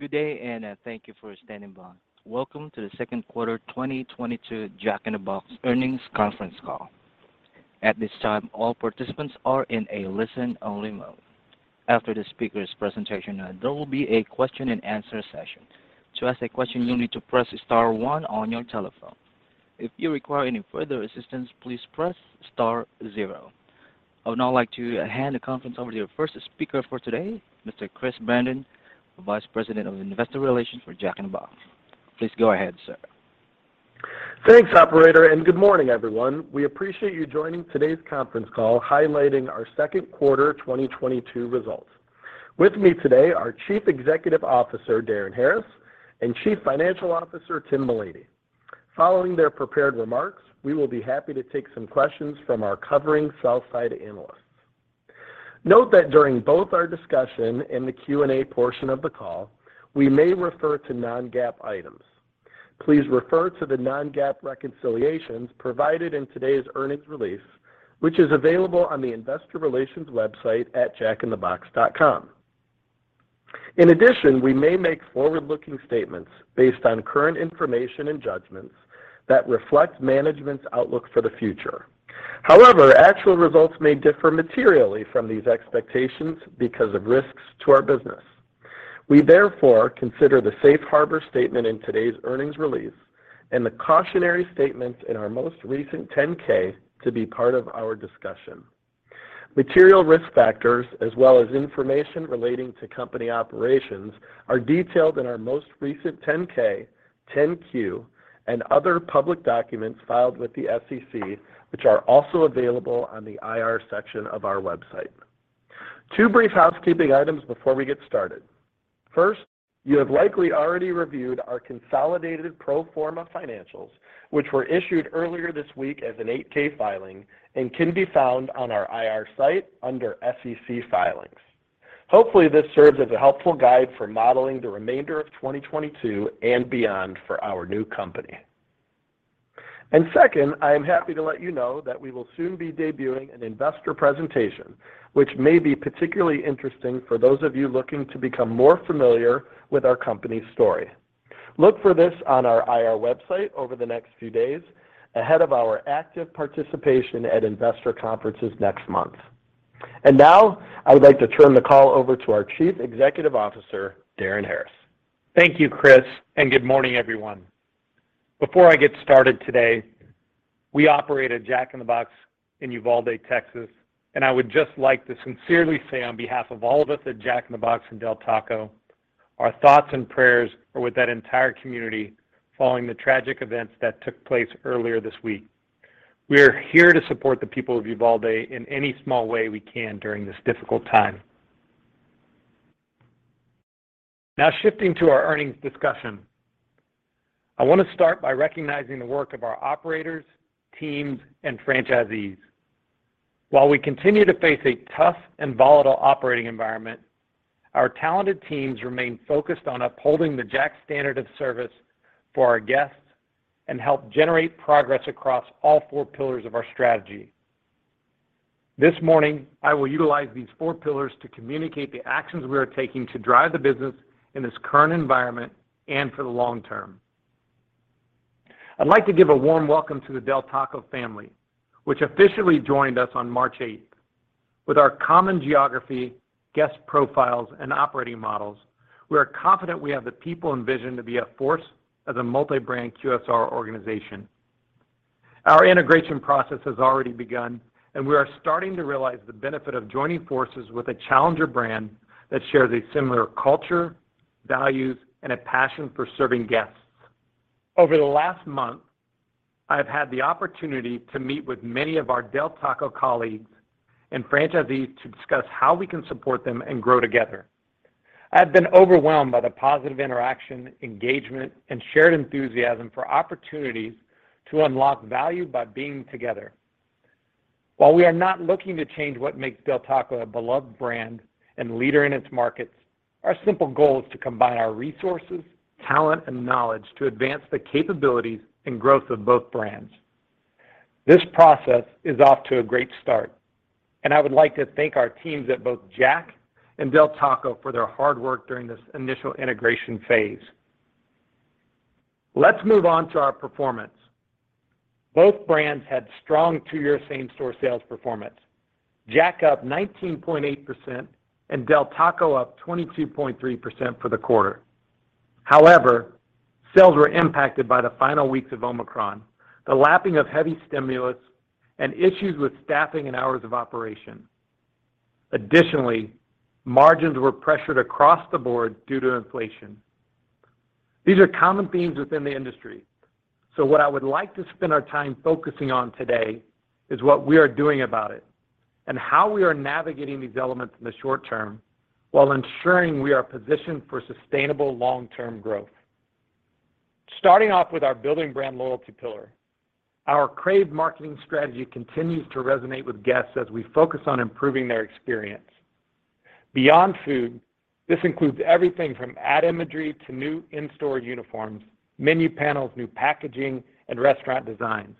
Good day and, thank you for standing by. Welcome to the second quarter 2022 Jack in the Box earnings conference call. At this time, all participants are in a listen-only mode. After the speaker's presentation, there will be a question and answer session. To ask a question, you'll need to press star one on your telephone. If you require any further assistance, please press star zero. I would now like to hand the conference over to your first speaker for today, Mr. Chris Brandon, Vice President of Investor Relations for Jack in the Box. Please go ahead, sir. Thanks, operator, and good morning, everyone. We appreciate you joining today's conference call highlighting our second quarter 2022 results. With me today are Chief Executive Officer, Darin Harris, and Chief Financial Officer, Tim Mullany. Following their prepared remarks, we will be happy to take some questions from our covering sell-side analysts. Note that during both our discussion and the Q&A portion of the call, we may refer to non-GAAP items. Please refer to the non-GAAP reconciliations provided in today's earnings release, which is available on the investor relations website at jackinthebox.com. In addition, we may make forward-looking statements based on current information and judgments that reflect management's outlook for the future. However, actual results may differ materially from these expectations because of risks to our business. We therefore consider the safe harbor statement in today's earnings release and the cautionary statements in our most recent 10-K to be part of our discussion. Material risk factors as well as information relating to company operations are detailed in our most recent 10-K, 10-Q, and other public documents filed with the SEC, which are also available on the IR section of our website. Two brief housekeeping items before we get started. First, you have likely already reviewed our consolidated pro forma financials, which were issued earlier this week as an 8-K filing and can be found on our IR site under SEC Filings. Hopefully, this serves as a helpful guide for modeling the remainder of 2022 and beyond for our new company. Second, I am happy to let you know that we will soon be debuting an investor presentation, which may be particularly interesting for those of you looking to become more familiar with our company's story. Look for this on our IR website over the next few days ahead of our active participation at investor conferences next month. Now I would like to turn the call over to our Chief Executive Officer, Darin Harris. Thank you, Chris, and good morning, everyone. Before I get started today, we operate a Jack in the Box in Uvalde, Texas, and I would just like to sincerely say on behalf of all of us at Jack in the Box and Del Taco, our thoughts and prayers are with that entire community following the tragic events that took place earlier this week. We are here to support the people of Uvalde in any small way we can during this difficult time. Now shifting to our earnings discussion. I want to start by recognizing the work of our operators, teams, and franchisees. While we continue to face a tough and volatile operating environment, our talented teams remain focused on upholding the Jack standard of service for our guests and help generate progress across all four pillars of our strategy. This morning, I will utilize these four pillars to communicate the actions we are taking to drive the business in this current environment and for the long term. I'd like to give a warm welcome to the Del Taco family, which officially joined us on March eighth. With our common geography, guest profiles, and operating models, we are confident we have the people and vision to be a force as a multi-brand QSR organization. Our integration process has already begun, and we are starting to realize the benefit of joining forces with a challenger brand that shares a similar culture, values, and a passion for serving guests. Over the last month, I have had the opportunity to meet with many of our Del Taco colleagues and franchisees to discuss how we can support them and grow together. I have been overwhelmed by the positive interaction, engagement, and shared enthusiasm for opportunities to unlock value by being together. While we are not looking to change what makes Del Taco a beloved brand and leader in its markets, our simple goal is to combine our resources, talent, and knowledge to advance the capabilities and growth of both brands. This process is off to a great start, and I would like to thank our teams at both Jack and Del Taco for their hard work during this initial integration phase. Let's move on to our performance. Both brands had strong two-year same-store sales performance, Jack up 19.8% and Del Taco up 22.3% for the quarter. However, sales were impacted by the final weeks of Omicron, the lapping of heavy stimulus, and issues with staffing and hours of operation. Additionally, margins were pressured across the board due to inflation. These are common themes within the industry, so what I would like to spend our time focusing on today is what we are doing about it and how we are navigating these elements in the short term while ensuring we are positioned for sustainable long-term growth. Starting off with our building brand loyalty pillar. Our crave marketing strategy continues to resonate with guests as we focus on improving their experience. Beyond food, this includes everything from ad imagery to new in-store uniforms, menu panels, new packaging, and restaurant designs,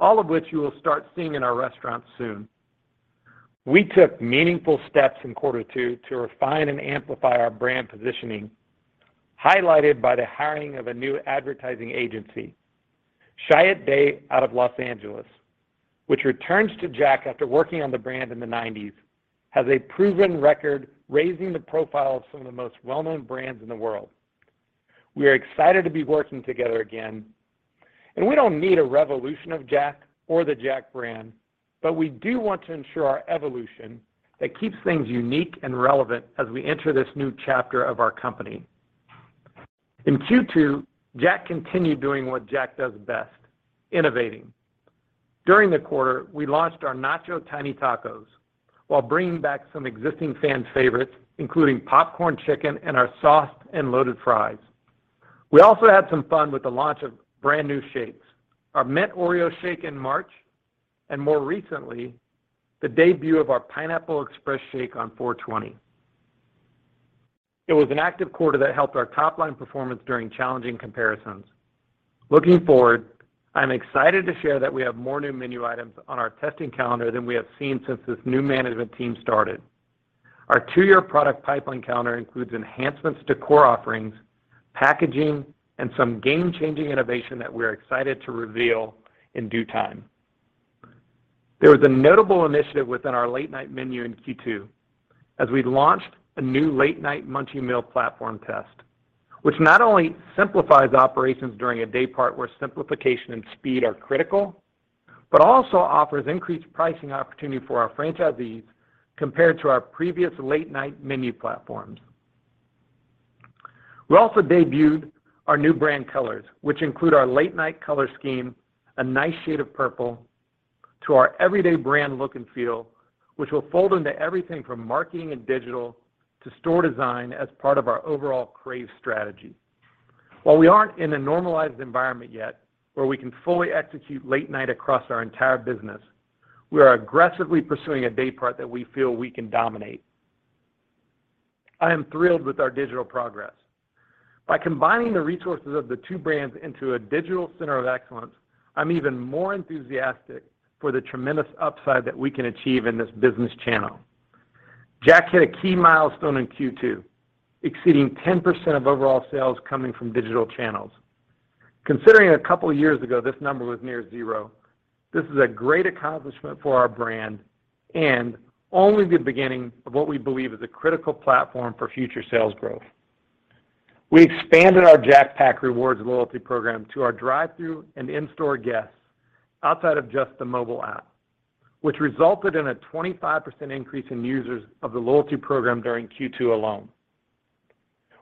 all of which you will start seeing in our restaurants soon. We took meaningful steps in quarter two to refine and amplify our brand positioning, highlighted by the hiring of a new advertising agency, Chiat\Day, out of Los Angeles, which returns to Jack after working on the brand in the 1990s, has a proven record, raising the profile of some of the most well-known brands in the world. We are excited to be working together again, and we don't need a revolution of Jack or the Jack brand, but we do want to ensure our evolution that keeps things unique and relevant as we enter this new chapter of our company. In Q2, Jack continued doing what Jack does best, innovating. During the quarter, we launched our Nacho Tiny Tacos while bringing back some existing fan favorites, including Popcorn Chicken and our Sauced & Loaded Fries. We also had some fun with the launch of brand new shakes. Our Mint Oreo Shake in March, and more recently, the debut of our Pineapple Express Shake on April 20. It was an active quarter that helped our top-line performance during challenging comparisons. Looking forward, I'm excited to share that we have more new menu items on our testing calendar than we have seen since this new management team started. Our two-year product pipeline calendar includes enhancements to core offerings, packaging, and some game-changing innovation that we're excited to reveal in due time. There was a notable initiative within our late-night menu in Q2 as we launched a new late-night Munchie Meal platform test, which not only simplifies operations during a daypart where simplification and speed are critical but also offers increased pricing opportunity for our franchisees compared to our previous late-night menu platforms. We also debuted our new brand colors, which include our late-night color scheme, a nice shade of purple, to our everyday brand look and feel, which will fold into everything from marketing and digital to store design as part of our overall crave strategy. While we aren't in a normalized environment yet where we can fully execute late night across our entire business, we are aggressively pursuing a daypart that we feel we can dominate. I am thrilled with our digital progress. By combining the resources of the two brands into a digital center of excellence, I'm even more enthusiastic for the tremendous upside that we can achieve in this business channel. Jack hit a key milestone in Q2, exceeding 10% of overall sales coming from digital channels. Considering a couple of years ago, this number was near zero, this is a great accomplishment for our brand and only the beginning of what we believe is a critical platform for future sales growth. We expanded our Jack Pack Rewards loyalty program to our drive-thru and in-store guests outside of just the mobile app, which resulted in a 25% increase in users of the loyalty program during Q2 alone.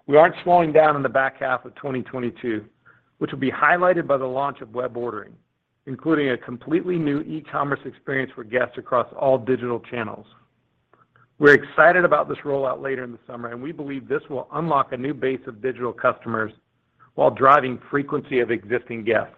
We aren't slowing down in the back half of 2022, which will be highlighted by the launch of web ordering, including a completely new e-commerce experience for guests across all digital channels. We're excited about this rollout later in the summer, and we believe this will unlock a new base of digital customers while driving frequency of existing guests.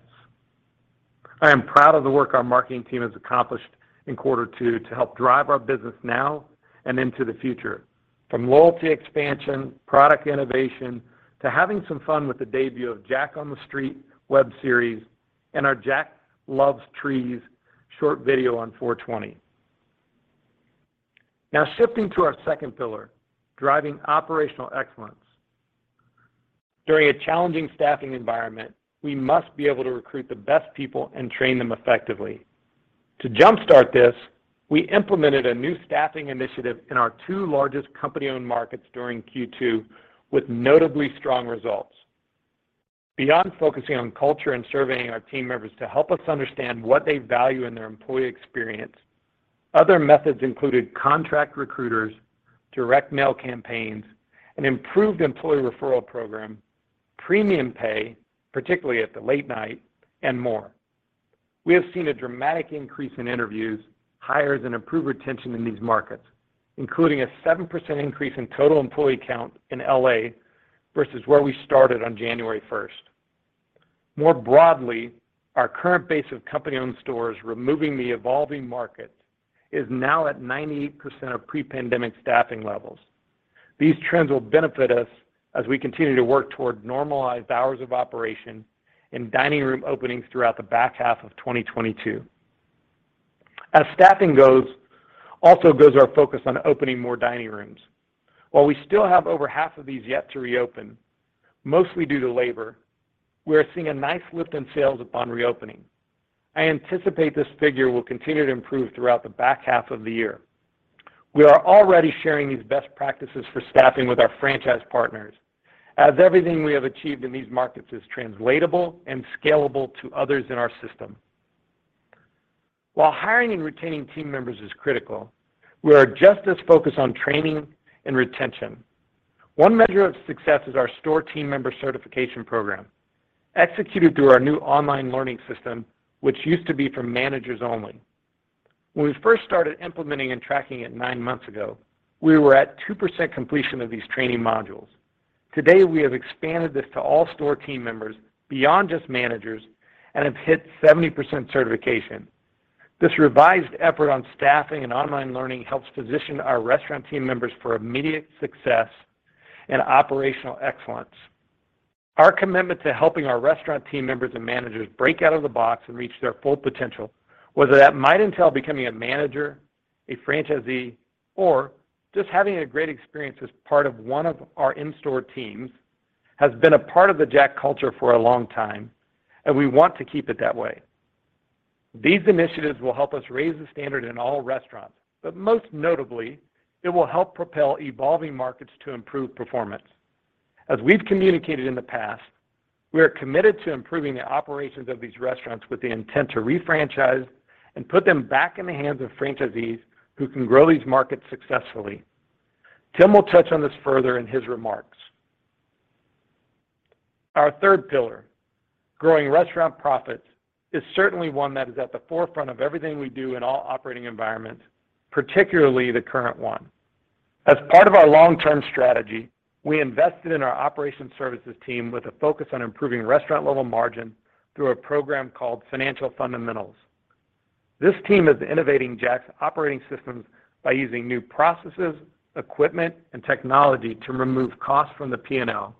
I am proud of the work our marketing team has accomplished in quarter two to help drive our business now and into the future, from loyalty expansion, product innovation, to having some fun with the debut of Jack on the Street web series and our Jack Loves Trees short video on April 20. Now shifting to our second pillar, driving operational excellence. During a challenging staffing environment, we must be able to recruit the best people and train them effectively. To jumpstart this, we implemented a new staffing initiative in our two largest company-owned markets during Q2 with notably strong results. Beyond focusing on culture and surveying our team members to help us understand what they value in their employee experience, other methods included contract recruiters, direct mail campaigns, an improved employee referral program, premium pay, particularly at the late night, and more. We have seen a dramatic increase in interviews, hires, and improved retention in these markets, including a 7% increase in total employee count in L.A. versus where we started on January first. More broadly, our current base of company-owned stores, removing the evolving market, is now at 98% of pre-pandemic staffing levels. These trends will benefit us as we continue to work toward normalized hours of operation and dining room openings throughout the back half of 2022. As staffing goes, also goes our focus on opening more dining rooms. While we still have over half of these yet to reopen, mostly due to labor, we are seeing a nice lift in sales upon reopening. I anticipate this figure will continue to improve throughout the back half of the year. We are already sharing these best practices for staffing with our franchise partners as everything we have achieved in these markets is translatable and scalable to others in our system. While hiring and retaining team members is critical, we are just as focused on training and retention. One measure of success is our store team member certification program executed through our new online learning system, which used to be for managers only. When we first started implementing and tracking it nine months ago, we were at 2% completion of these training modules. Today, we have expanded this to all store team members beyond just managers and have hit 70% certification. This revised effort on staffing and online learning helps position our restaurant team members for immediate success and operational excellence. Our commitment to helping our restaurant team members and managers break out of the box and reach their full potential, whether that might entail becoming a manager, a franchisee, or just having a great experience as part of one of our in-store teams, has been a part of the Jack culture for a long time, and we want to keep it that way. These initiatives will help us raise the standard in all restaurants, but most notably, it will help propel evolving markets to improve performance. As we've communicated in the past, we are committed to improving the operations of these restaurants with the intent to re-franchise and put them back in the hands of franchisees who can grow these markets successfully. Tim will touch on this further in his remarks. Our third pillar, growing restaurant profits, is certainly one that is at the forefront of everything we do in all operating environments, particularly the current one. As part of our long-term strategy, we invested in our operations services team with a focus on improving restaurant-level margin through a program called Financial Fundamentals. This team is innovating Jack's operating systems by using new processes, equipment, and technology to remove costs from the P&L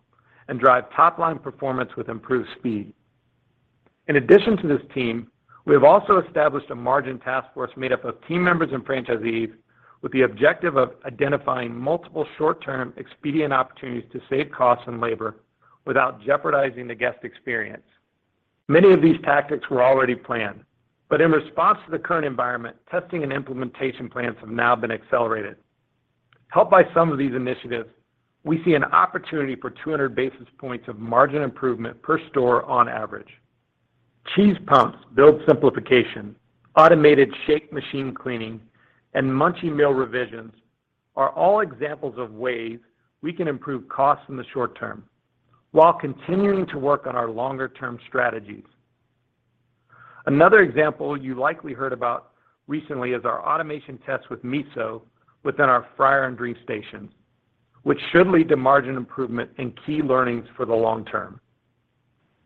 and drive top-line performance with improved speed. In addition to this team, we have also established a margin task force made up of team members and franchisees with the objective of identifying multiple short-term expedient opportunities to save costs and labor without jeopardizing the guest experience. Many of these tactics were already planned, but in response to the current environment, testing and implementation plans have now been accelerated. Helped by some of these initiatives, we see an opportunity for 200 basis points of margin improvement per store on average. Cheese pumps, build simplification, automated shake machine cleaning, and Munchie Meal revisions are all examples of ways we can improve costs in the short term while continuing to work on our longer-term strategies. Another example you likely heard about recently is our automation test with Miso within our fryer and drink stations, which should lead to margin improvement and key learnings for the long term.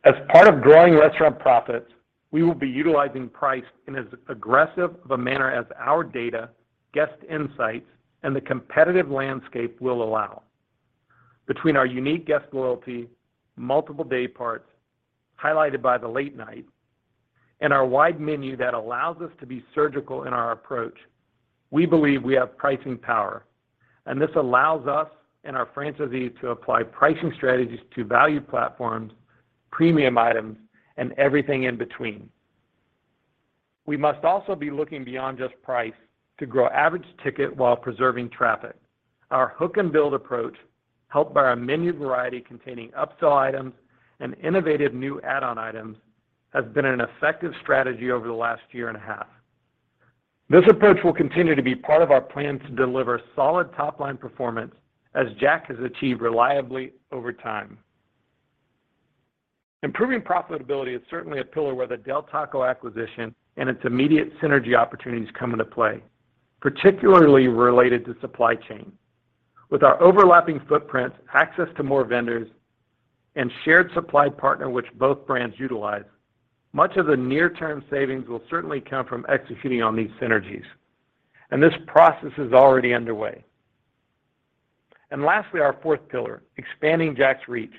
As part of growing restaurant profits, we will be utilizing price in as aggressive of a manner as our data, guest insights, and the competitive landscape will allow. Between our unique guest loyalty, multiple day parts highlighted by the late night and our wide menu that allows us to be surgical in our approach, we believe we have pricing power, and this allows us and our franchisees to apply pricing strategies to value platforms, premium items, and everything in between. We must also be looking beyond just price to grow average ticket while preserving traffic. Our hook and build approach, helped by our menu variety containing upsell items and innovative new add-on items, has been an effective strategy over the last year and a half. This approach will continue to be part of our plan to deliver solid top-line performance as Jack has achieved reliably over time. Improving profitability is certainly a pillar where the Del Taco acquisition and its immediate synergy opportunities come into play, particularly related to supply chain. With our overlapping footprints, access to more vendors, and shared supply partner which both brands utilize, much of the near-term savings will certainly come from executing on these synergies, and this process is already underway. Lastly, our fourth pillar, expanding Jack's reach,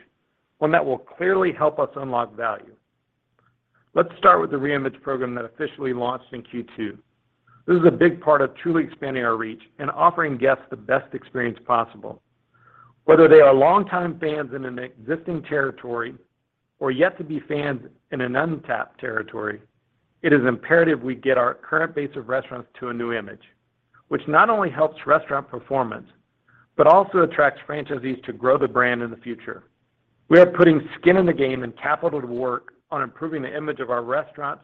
one that will clearly help us unlock value. Let's start with the reimage program that officially launched in Q2. This is a big part of truly expanding our reach and offering guests the best experience possible. Whether they are long-time fans in an existing territory or yet to be fans in an untapped territory, it is imperative we get our current base of restaurants to a new image, which not only helps restaurant performance, but also attracts franchisees to grow the brand in the future. We are putting skin in the game and capital to work on improving the image of our restaurants,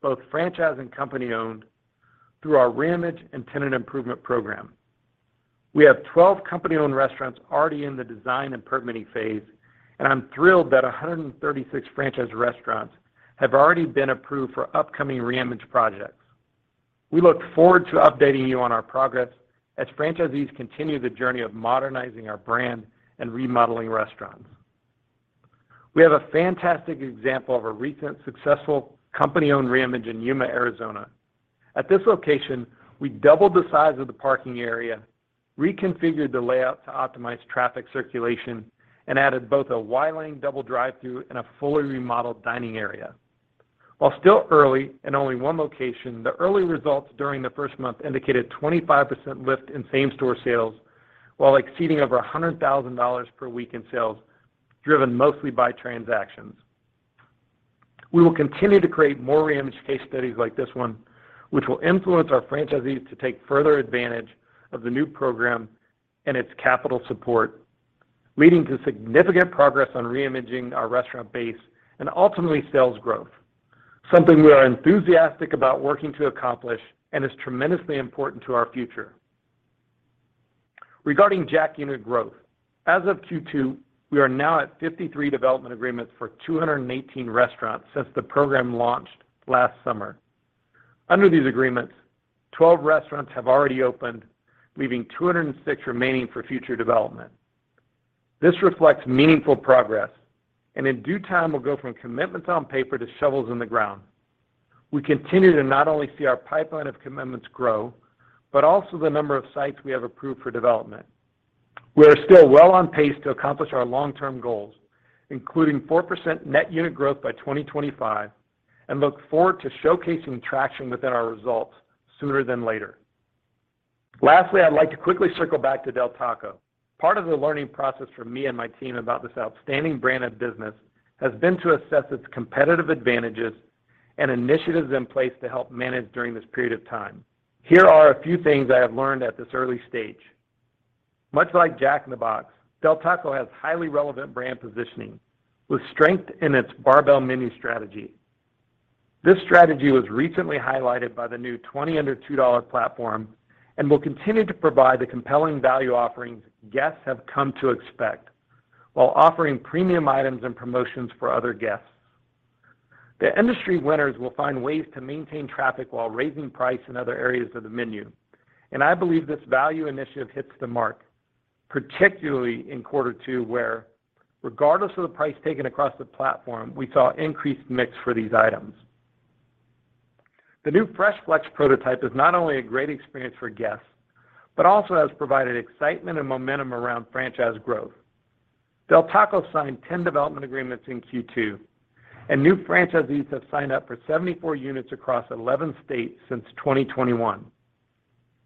both franchise and company-owned, through our reimage and tenant improvement program. We have 12 company-owned restaurants already in the design and permitting phase, and I'm thrilled that 136 franchise restaurants have already been approved for upcoming reimage projects. We look forward to updating you on our progress as franchisees continue the journey of modernizing our brand and remodeling restaurants. We have a fantastic example of a recent successful company-owned reimage in Yuma, Arizona. At this location, we doubled the size of the parking area, reconfigured the layout to optimize traffic circulation, and added both a Y-lane double drive-thru and a fully remodeled dining area. While still early in only one location, the early results during the first month indicated 25% lift in same-store sales, while exceeding over $100,000 per week in sales, driven mostly by transactions. We will continue to create more reimage case studies like this one, which will influence our franchisees to take further advantage of the new program and its capital support, leading to significant progress on reimaging our restaurant base and ultimately sales growth, something we are enthusiastic about working to accomplish and is tremendously important to our future. Regarding Jack unit growth, as of Q2, we are now at 53 development agreements for 218 restaurants since the program launched last summer. Under these agreements, 12 restaurants have already opened, leaving 206 remaining for future development. This reflects meaningful progress, and in due time will go from commitments on paper to shovels in the ground. We continue to not only see our pipeline of commitments grow, but also the number of sites we have approved for development. We are still well on pace to accomplish our long-term goals, including 4% net unit growth by 2025, and look forward to showcasing traction within our results sooner than later. Lastly, I'd like to quickly circle back to Del Taco. Part of the learning process for me and my team about this outstanding brand of business has been to assess its competitive advantages and initiatives in place to help manage during this period of time. Here are a few things I have learned at this early stage. Much like Jack in the Box, Del Taco has highly relevant brand positioning with strength in its barbell menu strategy. This strategy was recently highlighted by the new 20 Under $2 platform and will continue to provide the compelling value offerings guests have come to expect while offering premium items and promotions for other guests. The industry winners will find ways to maintain traffic while raising price in other areas of the menu, and I believe this value initiative hits the mark, particularly in quarter two, where regardless of the price taken across the platform, we saw increased mix for these items. The new Fresh Flex prototype is not only a great experience for guests, but also has provided excitement and momentum around franchise growth. Del Taco signed 10 development agreements in Q2, and new franchisees have signed up for 74 units across 11 states since 2021.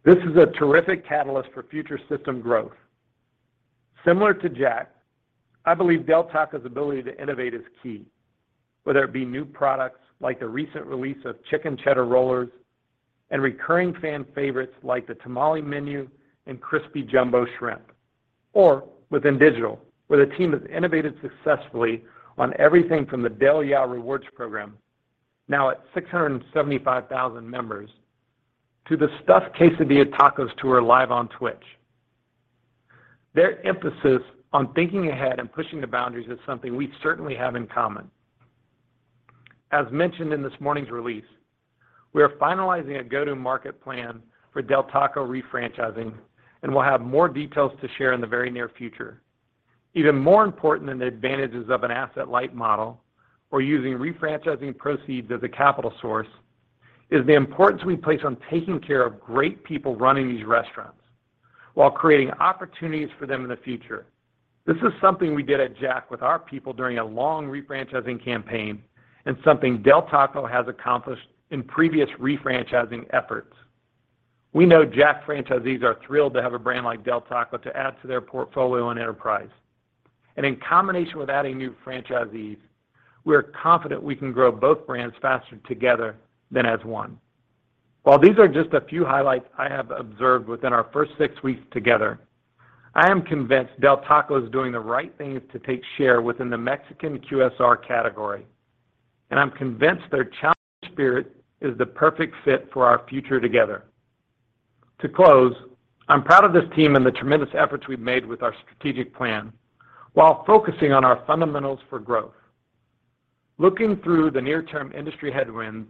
This is a terrific catalyst for future system growth. Similar to Jack, I believe Del Taco's ability to innovate is key, whether it be new products like the recent release of Chicken Cheddar Rollers and recurring fan favorites like the Tamale Menu and Crispy Jumbo Shrimp, or within digital, where the team has innovated successfully on everything from the Del Yeah! Rewards program, now at 675,000 members, to the Stuffed Quesadilla Tacos Tour live on Twitch. Their emphasis on thinking ahead and pushing the boundaries is something we certainly have in common. As mentioned in this morning's release, we are finalizing a go-to-market plan for Del Taco refranchising, and we'll have more details to share in the very near future. Even more important than the advantages of an asset-light model or using refranchising proceeds as a capital source is the importance we place on taking care of great people running these restaurants while creating opportunities for them in the future. This is something we did at Jack with our people during a long refranchising campaign and something Del Taco has accomplished in previous refranchising efforts. We know Jack franchisees are thrilled to have a brand like Del Taco to add to their portfolio and enterprise. In combination with adding new franchisees, we are confident we can grow both brands faster together than as one. While these are just a few highlights I have observed within our first six weeks together, I am convinced Del Taco is doing the right things to take share within the Mexican QSR category, and I'm convinced their challenger spirit is the perfect fit for our future together. To close, I'm proud of this team and the tremendous efforts we've made with our strategic plan while focusing on our fundamentals for growth. Looking through the near-term industry headwinds,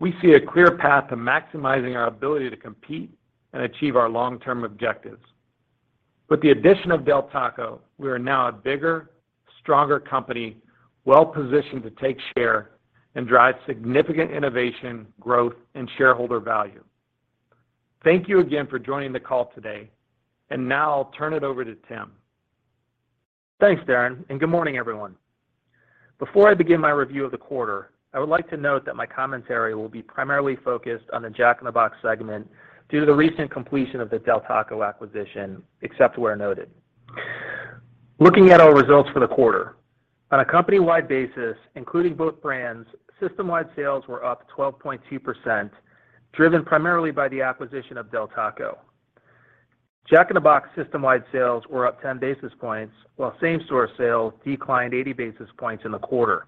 we see a clear path to maximizing our ability to compete and achieve our long-term objectives. With the addition of Del Taco, we are now a bigger, stronger company well-positioned to take share and drive significant innovation, growth, and shareholder value. Thank you again for joining the call today, and now I'll turn it over to Tim. Thanks, Darin, and good morning, everyone. Before I begin my review of the quarter, I would like to note that my commentary will be primarily focused on the Jack in the Box segment due to the recent completion of the Del Taco acquisition, except where noted. Looking at our results for the quarter. On a company-wide basis, including both brands, system-wide sales were up 12.2%, driven primarily by the acquisition of Del Taco. Jack in the Box system-wide sales were up 10 basis points, while same-store sales declined 80 basis points in the quarter.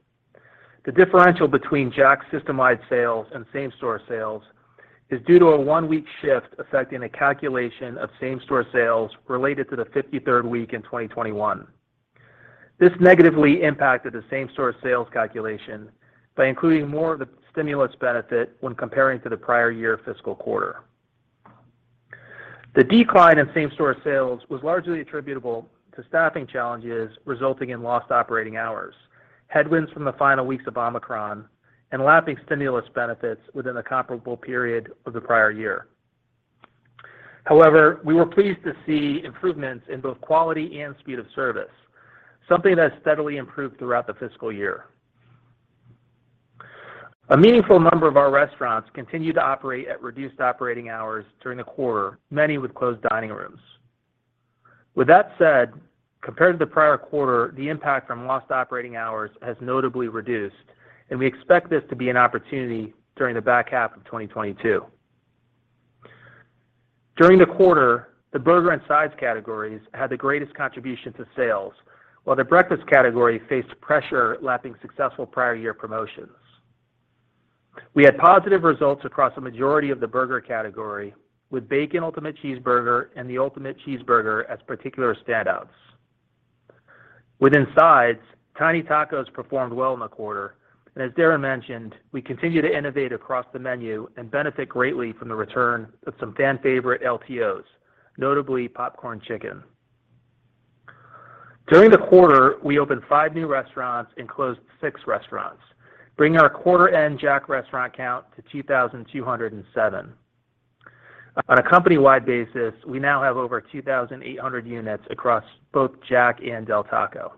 The differential between Jack's system-wide sales and same-store sales is due to a one-week shift affecting a calculation of same-store sales related to the 53rd week in 2021. This negatively impacted the same-store sales calculation by including more of the stimulus benefit when comparing to the prior year fiscal quarter. The decline in same-store sales was largely attributable to staffing challenges resulting in lost operating hours, headwinds from the final weeks of Omicron, and lapping stimulus benefits within the comparable period of the prior year. However, we were pleased to see improvements in both quality and speed of service, something that steadily improved throughout the fiscal year. A meaningful number of our restaurants continued to operate at reduced operating hours during the quarter, many with closed dining rooms. With that said, compared to the prior quarter, the impact from lost operating hours has notably reduced, and we expect this to be an opportunity during the back half of 2022. During the quarter, the burger and sides categories had the greatest contribution to sales, while the breakfast category faced pressure lapping successful prior year promotions. We had positive results across a majority of the burger category, with Bacon Ultimate Cheeseburger and the Ultimate Cheeseburger as particular standouts. Within sides, Tiny Tacos performed well in the quarter, and as Darin mentioned, we continue to innovate across the menu and benefit greatly from the return of some fan favorite LTOs, notably Popcorn Chicken. During the quarter, we opened five new restaurants and closed six restaurants, bringing our quarter end Jack restaurant count to 2,007. On a company-wide basis, we now have over 2,800 units across both Jack and Del Taco.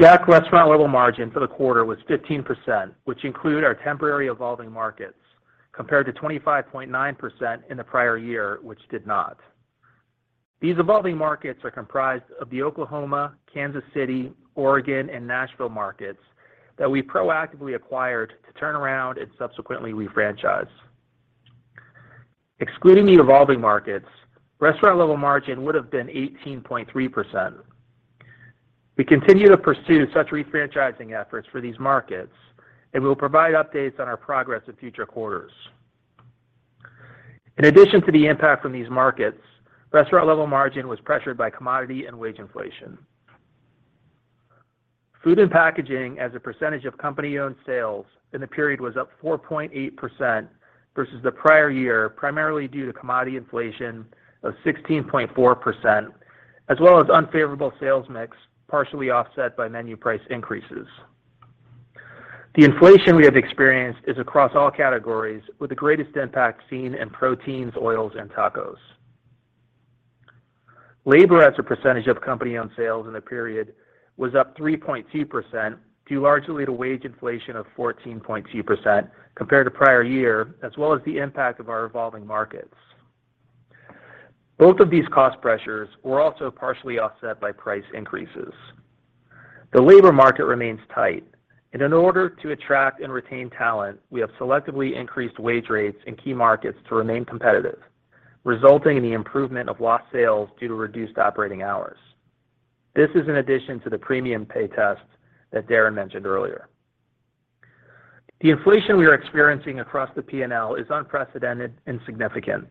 Jack restaurant level margin for the quarter was 15%, which include our temporary evolving markets, compared to 25.9% in the prior year, which did not. These evolving markets are comprised of the Oklahoma, Kansas City, Oregon, and Nashville markets that we proactively acquired to turn around and subsequently refranchise. Excluding the evolving markets, restaurant-level margin would have been 18.3%. We continue to pursue such refranchising efforts for these markets, and we will provide updates on our progress in future quarters. In addition to the impact from these markets, restaurant-level margin was pressured by commodity and wage inflation. Food and packaging as a percentage of company-owned sales in the period was up 4.8% versus the prior year, primarily due to commodity inflation of 16.4%, as well as unfavorable sales mix, partially offset by menu price increases. The inflation we have experienced is across all categories, with the greatest impact seen in proteins, oils, and tacos. Labor as a percentage of company-owned sales in the period was up 3.2% due largely to wage inflation of 14.2% compared to prior year, as well as the impact of our evolving markets. Both of these cost pressures were also partially offset by price increases. The labor market remains tight, and in order to attract and retain talent, we have selectively increased wage rates in key markets to remain competitive, resulting in the improvement of lost sales due to reduced operating hours. This is in addition to the premium pay test that Darin mentioned earlier. The inflation we are experiencing across the P&L is unprecedented and significant.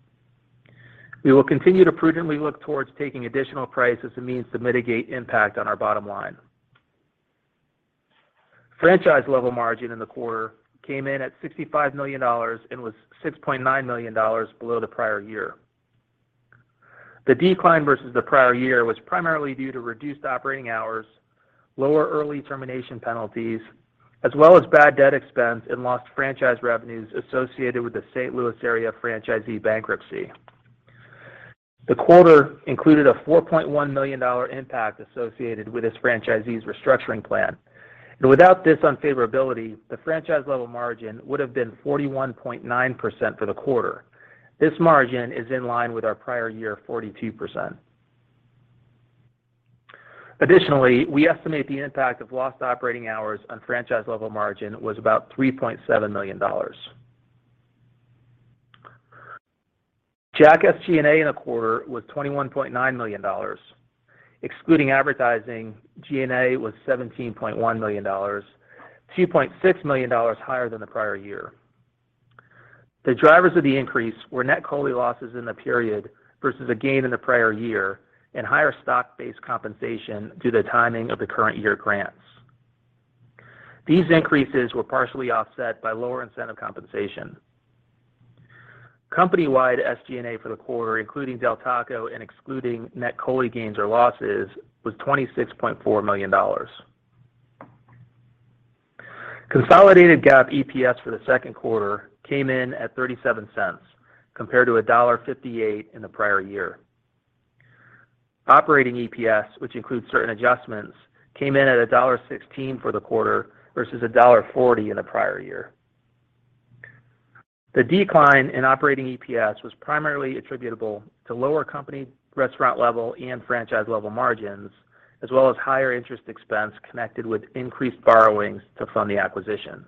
We will continue to prudently look towards taking additional price as a means to mitigate impact on our bottom line. Franchise level margin in the quarter came in at $65 million and was $6.9 million below the prior year. The decline versus the prior year was primarily due to reduced operating hours, lower early termination penalties, as well as bad debt expense and lost franchise revenues associated with the St. Louis area franchisee bankruptcy. The quarter included a $4.1 million impact associated with this franchisee's restructuring plan. Without this unfavorability, the franchise level margin would have been 41.9% for the quarter. This margin is in line with our prior year 42%. Additionally, we estimate the impact of lost operating hours on franchise level margin was about $3.7 million. Jack SG&A in the quarter was $21.9 million. Excluding advertising, G&A was $17.1 million, $2.6 million higher than the prior year. The drivers of the increase were net COLI losses in the period versus a gain in the prior year and higher stock-based compensation due to the timing of the current year grants. These increases were partially offset by lower incentive compensation. Company-wide SG&A for the quarter, including Del Taco and excluding net COLI gains or losses, was $26.4 million. Consolidated GAAP EPS for the second quarter came in at $0.37 compared to $1.58 in the prior year. Operating EPS, which includes certain adjustments, came in at $1.16 for the quarter versus $1.40 in the prior year. The decline in operating EPS was primarily attributable to lower company restaurant level and franchise level margins, as well as higher interest expense connected with increased borrowings to fund the acquisition.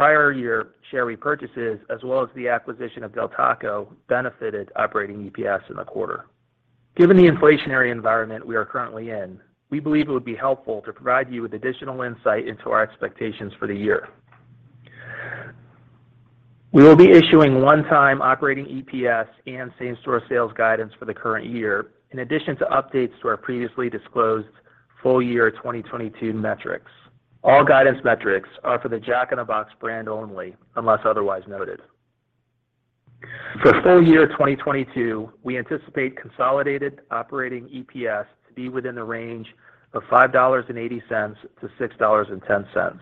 Conversely, prior year share repurchases, as well as the acquisition of Del Taco, benefited operating EPS in the quarter. Given the inflationary environment we are currently in, we believe it would be helpful to provide you with additional insight into our expectations for the year. We will be issuing one-time operating EPS and same-store sales guidance for the current year, in addition to updates to our previously disclosed full-year 2022 metrics. All guidance metrics are for the Jack in the Box brand only, unless otherwise noted. For full-year 2022, we anticipate consolidated operating EPS to be within the range of $5.80-$6.10.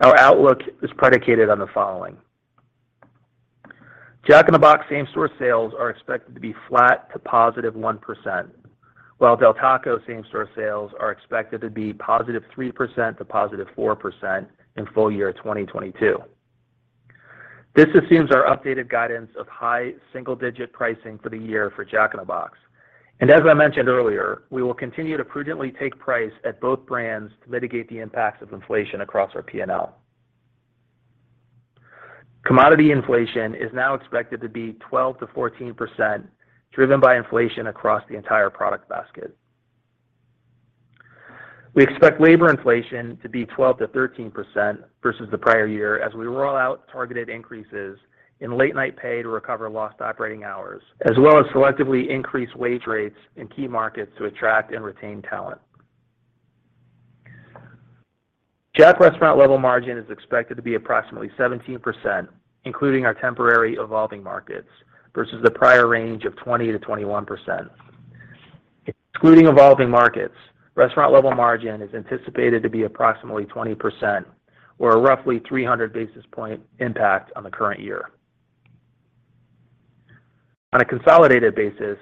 Our outlook is predicated on the following. Jack in the Box same-store sales are expected to be flat to positive 1%, while Del Taco same-store sales are expected to be +3% to +4% in full-year 2022. This assumes our updated guidance of high single-digit pricing for the year for Jack in the Box. As I mentioned earlier, we will continue to prudently take price at both brands to mitigate the impacts of inflation across our P&L. Commodity inflation is now expected to be 12%-14%, driven by inflation across the entire product basket. We expect labor inflation to be 12%-13% versus the prior year as we roll out targeted increases in late-night pay to recover lost operating hours, as well as selectively increase wage rates in key markets to attract and retain talent. Jack restaurant level margin is expected to be approximately 17%, including our temporary evolving markets versus the prior range of 20%-21%. Excluding evolving markets, restaurant level margin is anticipated to be approximately 20% or a roughly 300 basis point impact on the current year. On a consolidated basis,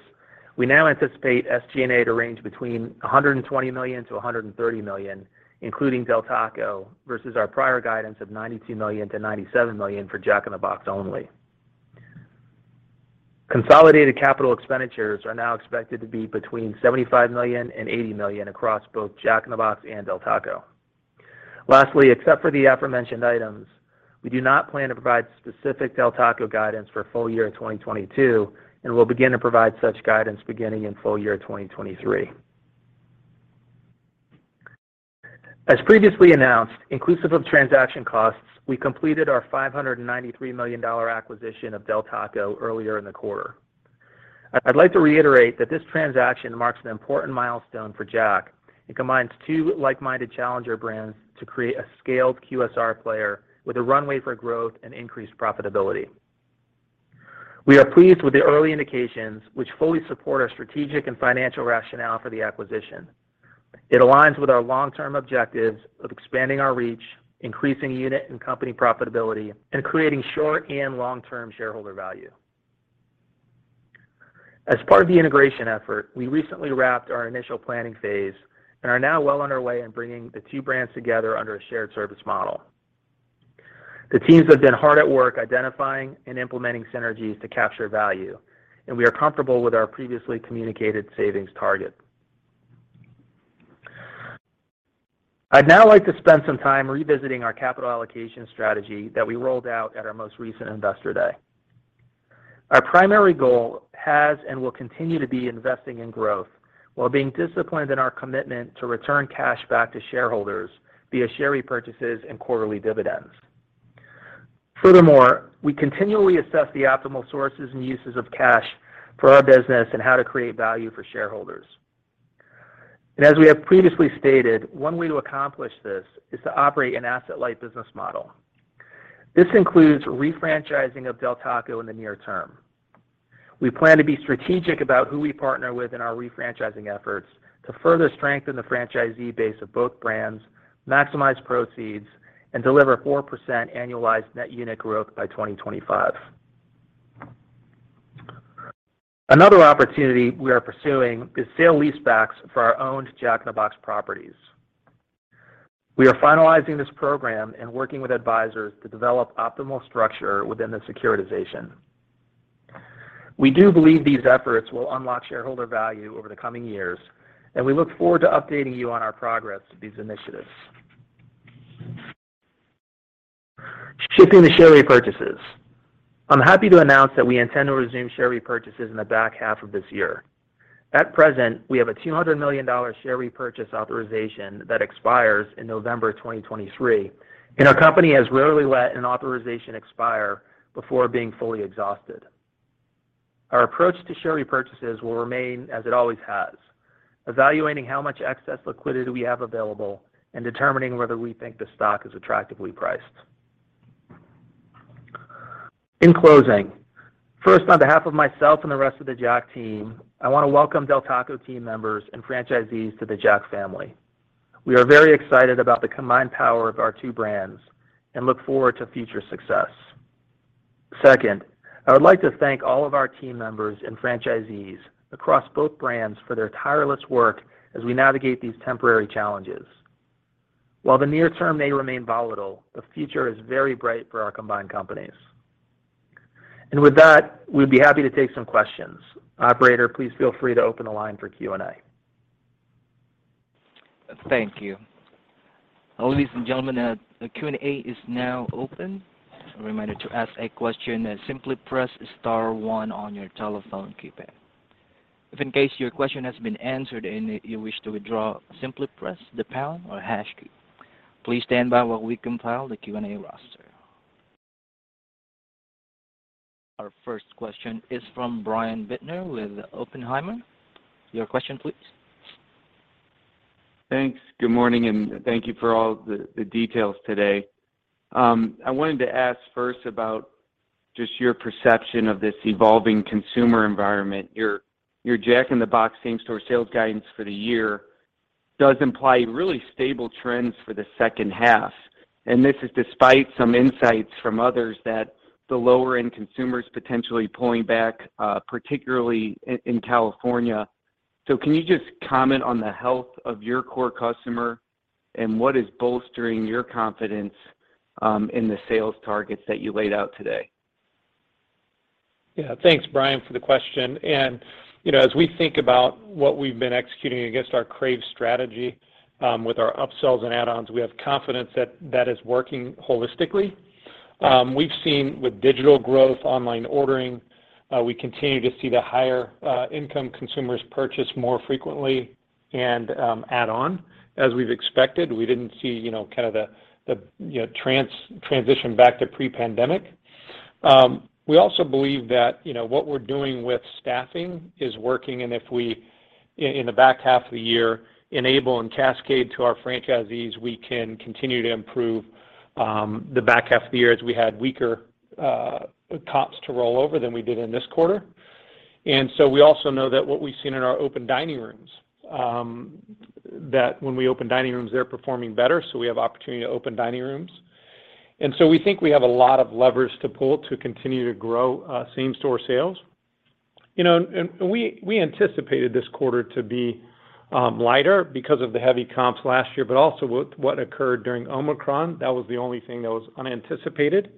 we now anticipate SG&A to range between $120 million-$130 million, including Del Taco versus our prior guidance of $92 million-$97 million for Jack in the Box only. Consolidated capital expenditures are now expected to be between $75 million and $80 million across both Jack in the Box and Del Taco. Lastly, except for the aforementioned items, we do not plan to provide specific Del Taco guidance for full year 2022, and we'll begin to provide such guidance beginning in full year 2023. As previously announced, inclusive of transaction costs, we completed our $593 million acquisition of Del Taco earlier in the quarter. I'd like to reiterate that this transaction marks an important milestone for Jack. It combines two like-minded challenger brands to create a scaled QSR player with a runway for growth and increased profitability. We are pleased with the early indications which fully support our strategic and financial rationale for the acquisition. It aligns with our long-term objectives of expanding our reach, increasing unit and company profitability, and creating short and long-term shareholder value. As part of the integration effort, we recently wrapped our initial planning phase and are now well on our way in bringing the two brands together under a shared service model. The teams have been hard at work identifying and implementing synergies to capture value, and we are comfortable with our previously communicated savings target. I'd now like to spend some time revisiting our capital allocation strategy that we rolled out at our most recent Investor Day. Our primary goal has and will continue to be investing in growth while being disciplined in our commitment to return cash back to shareholders via share repurchases and quarterly dividends. Furthermore, we continually assess the optimal sources and uses of cash for our business and how to create value for shareholders. As we have previously stated, one way to accomplish this is to operate an asset-light business model. This includes refranchising of Del Taco in the near term. We plan to be strategic about who we partner with in our refranchising efforts to further strengthen the franchisee base of both brands, maximize proceeds, and deliver 4% annualized net unit growth by 2025. Another opportunity we are pursuing is sale leasebacks for our owned Jack in the Box properties. We are finalizing this program and working with advisors to develop optimal structure within the securitization. We do believe these efforts will unlock shareholder value over the coming years, and we look forward to updating you on our progress to these initiatives. Shifting to share repurchases. I'm happy to announce that we intend to resume share repurchases in the back half of this year. At present, we have a $200 million share repurchase authorization that expires in November 2023, and our company has rarely let an authorization expire before being fully exhausted. Our approach to share repurchases will remain as it always has, evaluating how much excess liquidity we have available and determining whether we think the stock is attractively priced. In closing, first, on behalf of myself and the rest of the Jack team, I want to welcome Del Taco team members and franchisees to the Jack family. We are very excited about the combined power of our two brands and look forward to future success. Second, I would like to thank all of our team members and franchisees across both brands for their tireless work as we navigate these temporary challenges. While the near term may remain volatile, the future is very bright for our combined companies. With that, we'd be happy to take some questions. Operator, please feel free to open the line for Q&A. Thank you. Ladies and gentlemen, the Q&A is now open. A reminder to ask a question, simply press star one on your telephone keypad. If in case your question has been answered and you wish to withdraw, simply press the pound or hash key. Please stand by while we compile the Q&A roster. Our first question is from Brian Bittner with Oppenheimer. Your question, please. Thanks. Good morning, and thank you for all the details today. I wanted to ask first about just your perception of this evolving consumer environment. Your Jack in the Box same-store sales guidance for the year does imply really stable trends for the second half, and this is despite some insights from others that the lower end consumer is potentially pulling back, particularly in California. Can you just comment on the health of your core customer and what is bolstering your confidence in the sales targets that you laid out today? Yeah. Thanks, Brian, for the question. You know, as we think about what we've been executing against our crave strategy, with our upsells and add-ons, we have confidence that that is working holistically. We've seen with digital growth, online ordering, we continue to see the higher income consumers purchase more frequently and add on as we've expected. We didn't see, you know, kind of the, you know, transition back to pre-pandemic. We also believe that, you know, what we're doing with staffing is working, and if we In the back half of the year, enable and cascade to our franchisees, we can continue to improve the back half of the year as we had weaker comps to roll over than we did in this quarter. We also know that what we've seen in our open dining rooms, that when we open dining rooms, they're performing better, so we have opportunity to open dining rooms. We think we have a lot of levers to pull to continue to grow same-store sales. You know, and we anticipated this quarter to be lighter because of the heavy comps last year, but also with what occurred during Omicron. That was the only thing that was unanticipated.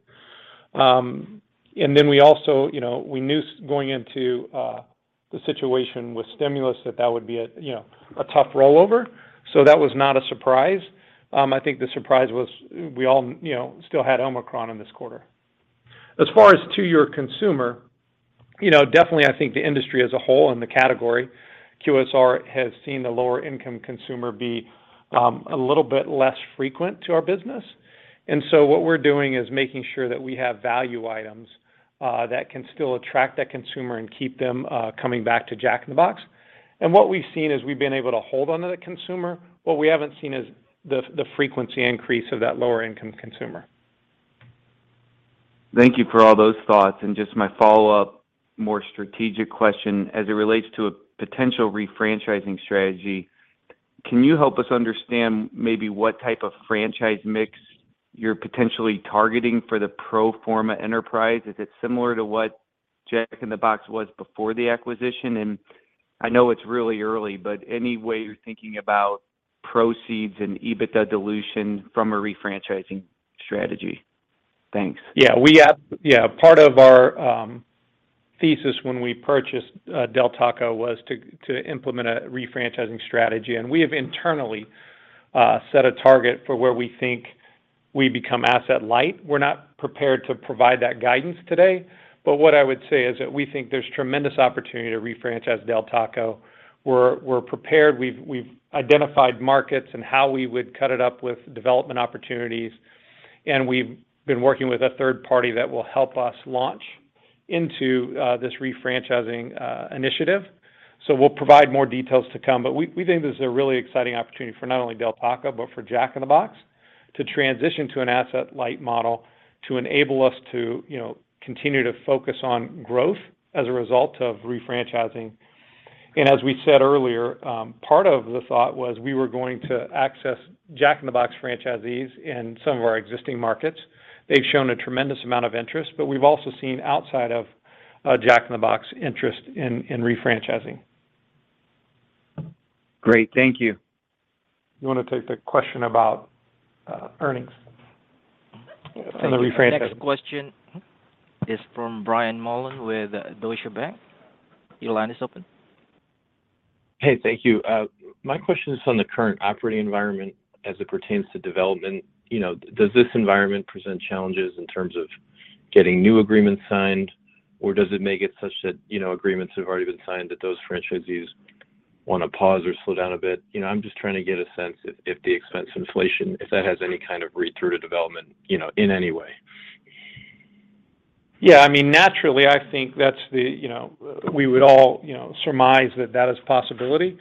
We also, you know, we knew going into the situation with stimulus that would be a, you know, a tough rollover. That was not a surprise. I think the surprise was we all, you know, still had Omicron in this quarter. As far as to your consumer, you know, definitely I think the industry as a whole and the category, QSR has seen the lower income consumer be a little bit less frequent to our business. What we're doing is making sure that we have value items that can still attract that consumer and keep them coming back to Jack in the Box. What we've seen is we've been able to hold on to the consumer. What we haven't seen is the frequency increase of that lower income consumer. Thank you for all those thoughts. Just my follow-up, more strategic question. As it relates to a potential refranchising strategy, can you help us understand maybe what type of franchise mix you're potentially targeting for the pro forma enterprise? Is it similar to what Jack in the Box was before the acquisition? I know it's really early, but any way you're thinking about proceeds and EBITDA dilution from a refranchising strategy? Thanks. Part of our thesis when we purchased Del Taco was to implement a refranchising strategy, and we have internally set a target for where we think we become asset light. We're not prepared to provide that guidance today. What I would say is that we think there's tremendous opportunity to refranchise Del Taco. We're prepared. We've identified markets and how we would cut it up with development opportunities, and we've been working with a third party that will help us launch into this refranchising initiative. We'll provide more details to come. We think this is a really exciting opportunity for not only Del Taco, but for Jack in the Box, to transition to an asset light model to enable us to, you know, continue to focus on growth as a result of refranchising. as we said earlier, part of the thought was we were going to access Jack in the Box franchisees in some of our existing markets. They've shown a tremendous amount of interest, but we've also seen outside of Jack in the Box interest in refranchising. Great. Thank you. You wanna take the question about earnings? Thank you. On the refran- Next question is from Brian Mullan with Deutsche Bank. Your line is open. Hey, thank you. My question is on the current operating environment as it pertains to development. You know, does this environment present challenges in terms of getting new agreements signed, or does it make it such that, you know, agreements have already been signed that those franchisees wanna pause or slow down a bit? You know, I'm just trying to get a sense if the expense inflation, if that has any kind of read-through to development, you know, in any way. Yeah, I mean, naturally, I think that's the, you know, we would all, you know, surmise that that is a possibility.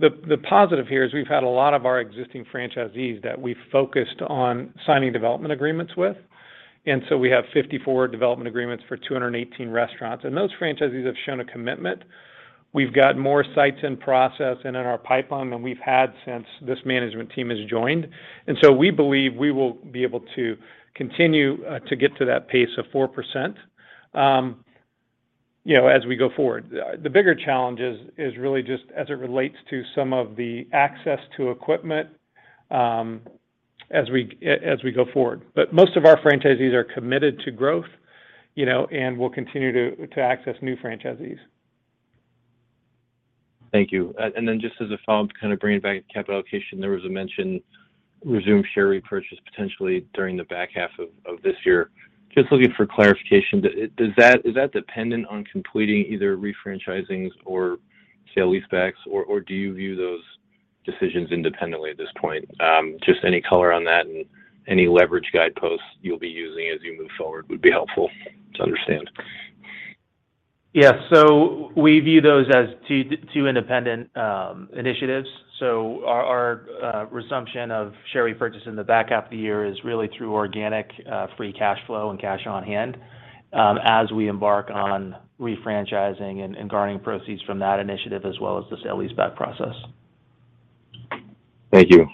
The positive here is we've had a lot of our existing franchisees that we focused on signing development agreements with. We have 54 development agreements for 218 restaurants, and those franchisees have shown a commitment. We've got more sites in process and in our pipeline than we've had since this management team has joined. We believe we will be able to continue to get to that pace of 4%, you know, as we go forward. The bigger challenge is really just as it relates to some of the access to equipment as we go forward. Most of our franchisees are committed to growth, you know, and we'll continue to access new franchisees. Thank you. Just as a follow-up, kind of bringing back capital allocation, there was a mention to resume share repurchase potentially during the back half of this year. Just looking for clarification, is that dependent on completing either refranchisings or sale leasebacks, or do you view those decisions independently at this point? Just any color on that and any leverage guideposts you'll be using as you move forward would be helpful to understand. Yes. We view those as two independent initiatives. Our resumption of share repurchase in the back half of the year is really through organic free cash flow and cash on hand, as we embark on refranchising and garnering proceeds from that initiative as well as the sale leaseback process. Thank you.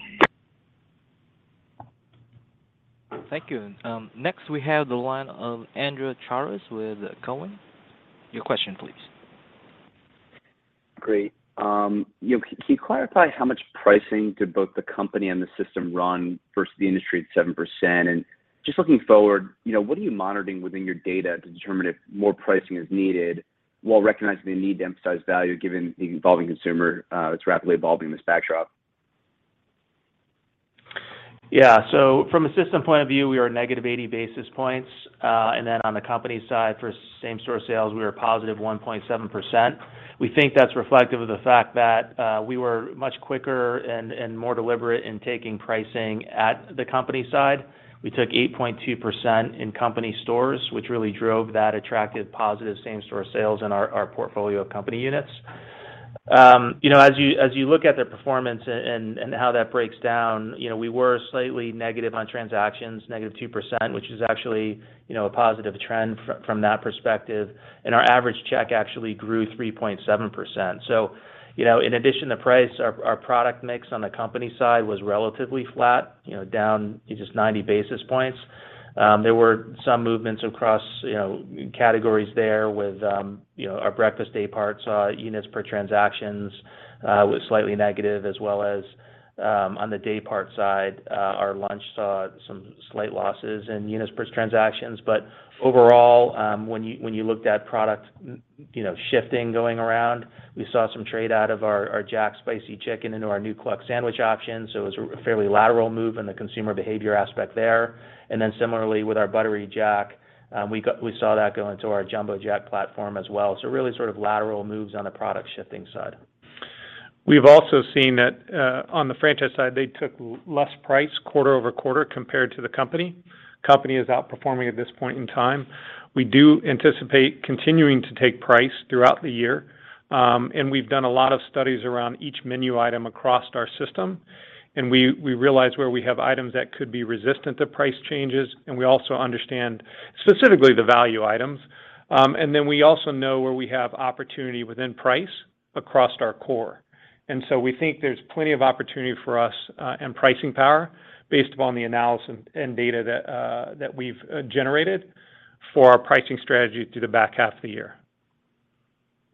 Thank you. Next we have the line of Andrew Charles with Cowen. Your question please. Great. You know, can you clarify how much pricing did both the company and the system run versus the industry at 7%? Just looking forward, you know, what are you monitoring within your data to determine if more pricing is needed while recognizing the need to emphasize value given the evolving consumer that's rapidly evolving this backdrop? Yeah. From a system point of view, we are -80 basis points. On the company side, for same-store sales, we are positive 1.7%. We think that's reflective of the fact that we were much quicker and more deliberate in taking pricing at the company side. We took 8.2% in company stores, which really drove that attractive positive same-store sales in our portfolio of company units. You know, as you look at the performance and how that breaks down, you know, we were slightly negative on transactions, -2%, which is actually, you know, a positive trend from that perspective. Our average check actually grew 3.7%. You know, in addition to price, our product mix on the company side was relatively flat, you know, down just 90 basis points. There were some movements across, you know, categories there with, you know, our breakfast day parts, units per transactions, was slightly negative, as well as, on the day part side, our lunch saw some slight losses in units per transactions. Overall, when you looked at product, you know, shifting going around, we saw some trade out of our Jack's Spicy Chicken into our new Cluck Sandwich option, so it was a fairly lateral move in the consumer behavior aspect there. Then similarly, with our Buttery Jack, we saw that go into our Jumbo Jack platform as well. Really sort of lateral moves on the product shifting side. We've also seen that, on the franchise side, they took less price quarter-over-quarter compared to the company. Company is outperforming at this point in time. We do anticipate continuing to take price throughout the year, and we've done a lot of studies around each menu item across our system. We realize where we have items that could be resistant to price changes, and we also understand specifically the value items. We also know where we have opportunity within price across our core. We think there's plenty of opportunity for us, and pricing power based upon the analysis and data that we've generated for our pricing strategy through the back half of the year.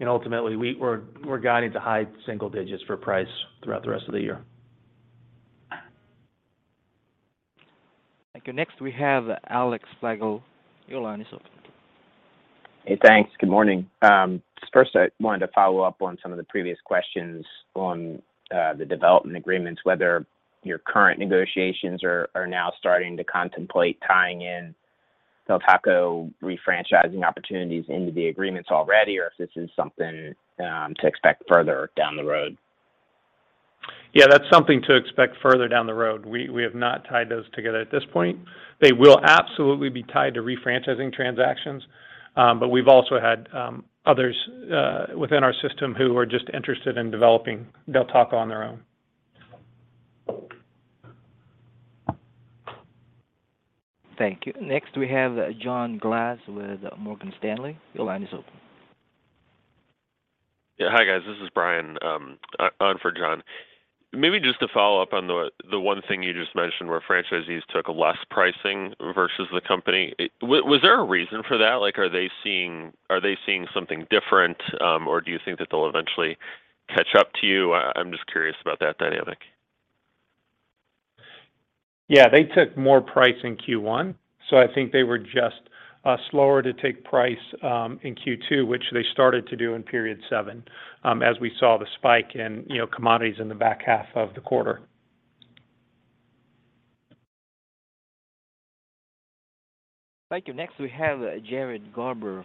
Ultimately, we're guiding to high single digits for price throughout the rest of the year. Thank you. Next, we have Alex Slagle. Your line is open. Hey, thanks. Good morning. First I wanted to follow up on some of the previous questions on the development agreements, whether your current negotiations are now starting to contemplate tying in Del Taco refranchising opportunities into the agreements already, or if this is something to expect further down the road. Yeah, that's something to expect further down the road. We have not tied those together at this point. They will absolutely be tied to refranchising transactions, but we've also had others within our system who are just interested in developing Del Taco on their own. Thank you. Next, we have John Glass with Morgan Stanley. Your line is open. Yeah. Hi, guys. This is Brian on for John. Maybe just to follow up on the one thing you just mentioned, where franchisees took less pricing versus the company. Was there a reason for that? Like, are they seeing something different, or do you think that they'll eventually catch up to you? I'm just curious about that dynamic. Yeah. They took more price in Q1, so I think they were just slower to take price in Q2, which they started to do in period seven, as we saw the spike in, you know, commodities in the back half of the quarter. Thank you. Next, we have Jared Garber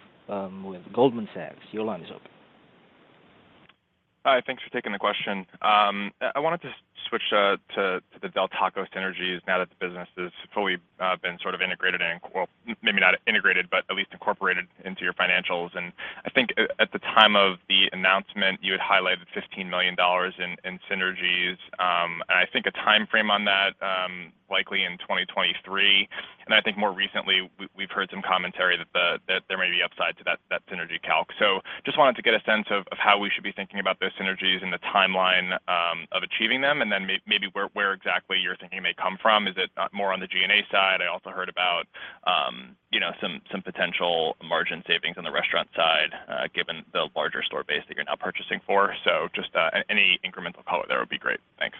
with Goldman Sachs. Your line is open. Hi. Thanks for taking the question. I wanted to switch to the Del Taco synergies now that the business has fully been sort of integrated. Well, maybe not integrated, but at least incorporated into your financials. I think at the time of the announcement, you had highlighted $15 million in synergies, and I think a timeframe on that, likely in 2023. I think more recently, we've heard some commentary that there may be upside to that synergy calc. Just wanted to get a sense of how we should be thinking about those synergies and the timeline of achieving them, and then maybe where exactly you're thinking they may come from. Is it more on the G&A side? I also heard about, you know, some potential margin savings on the restaurant side, given the larger store base that you're now purchasing for. Just any incremental color there would be great. Thanks.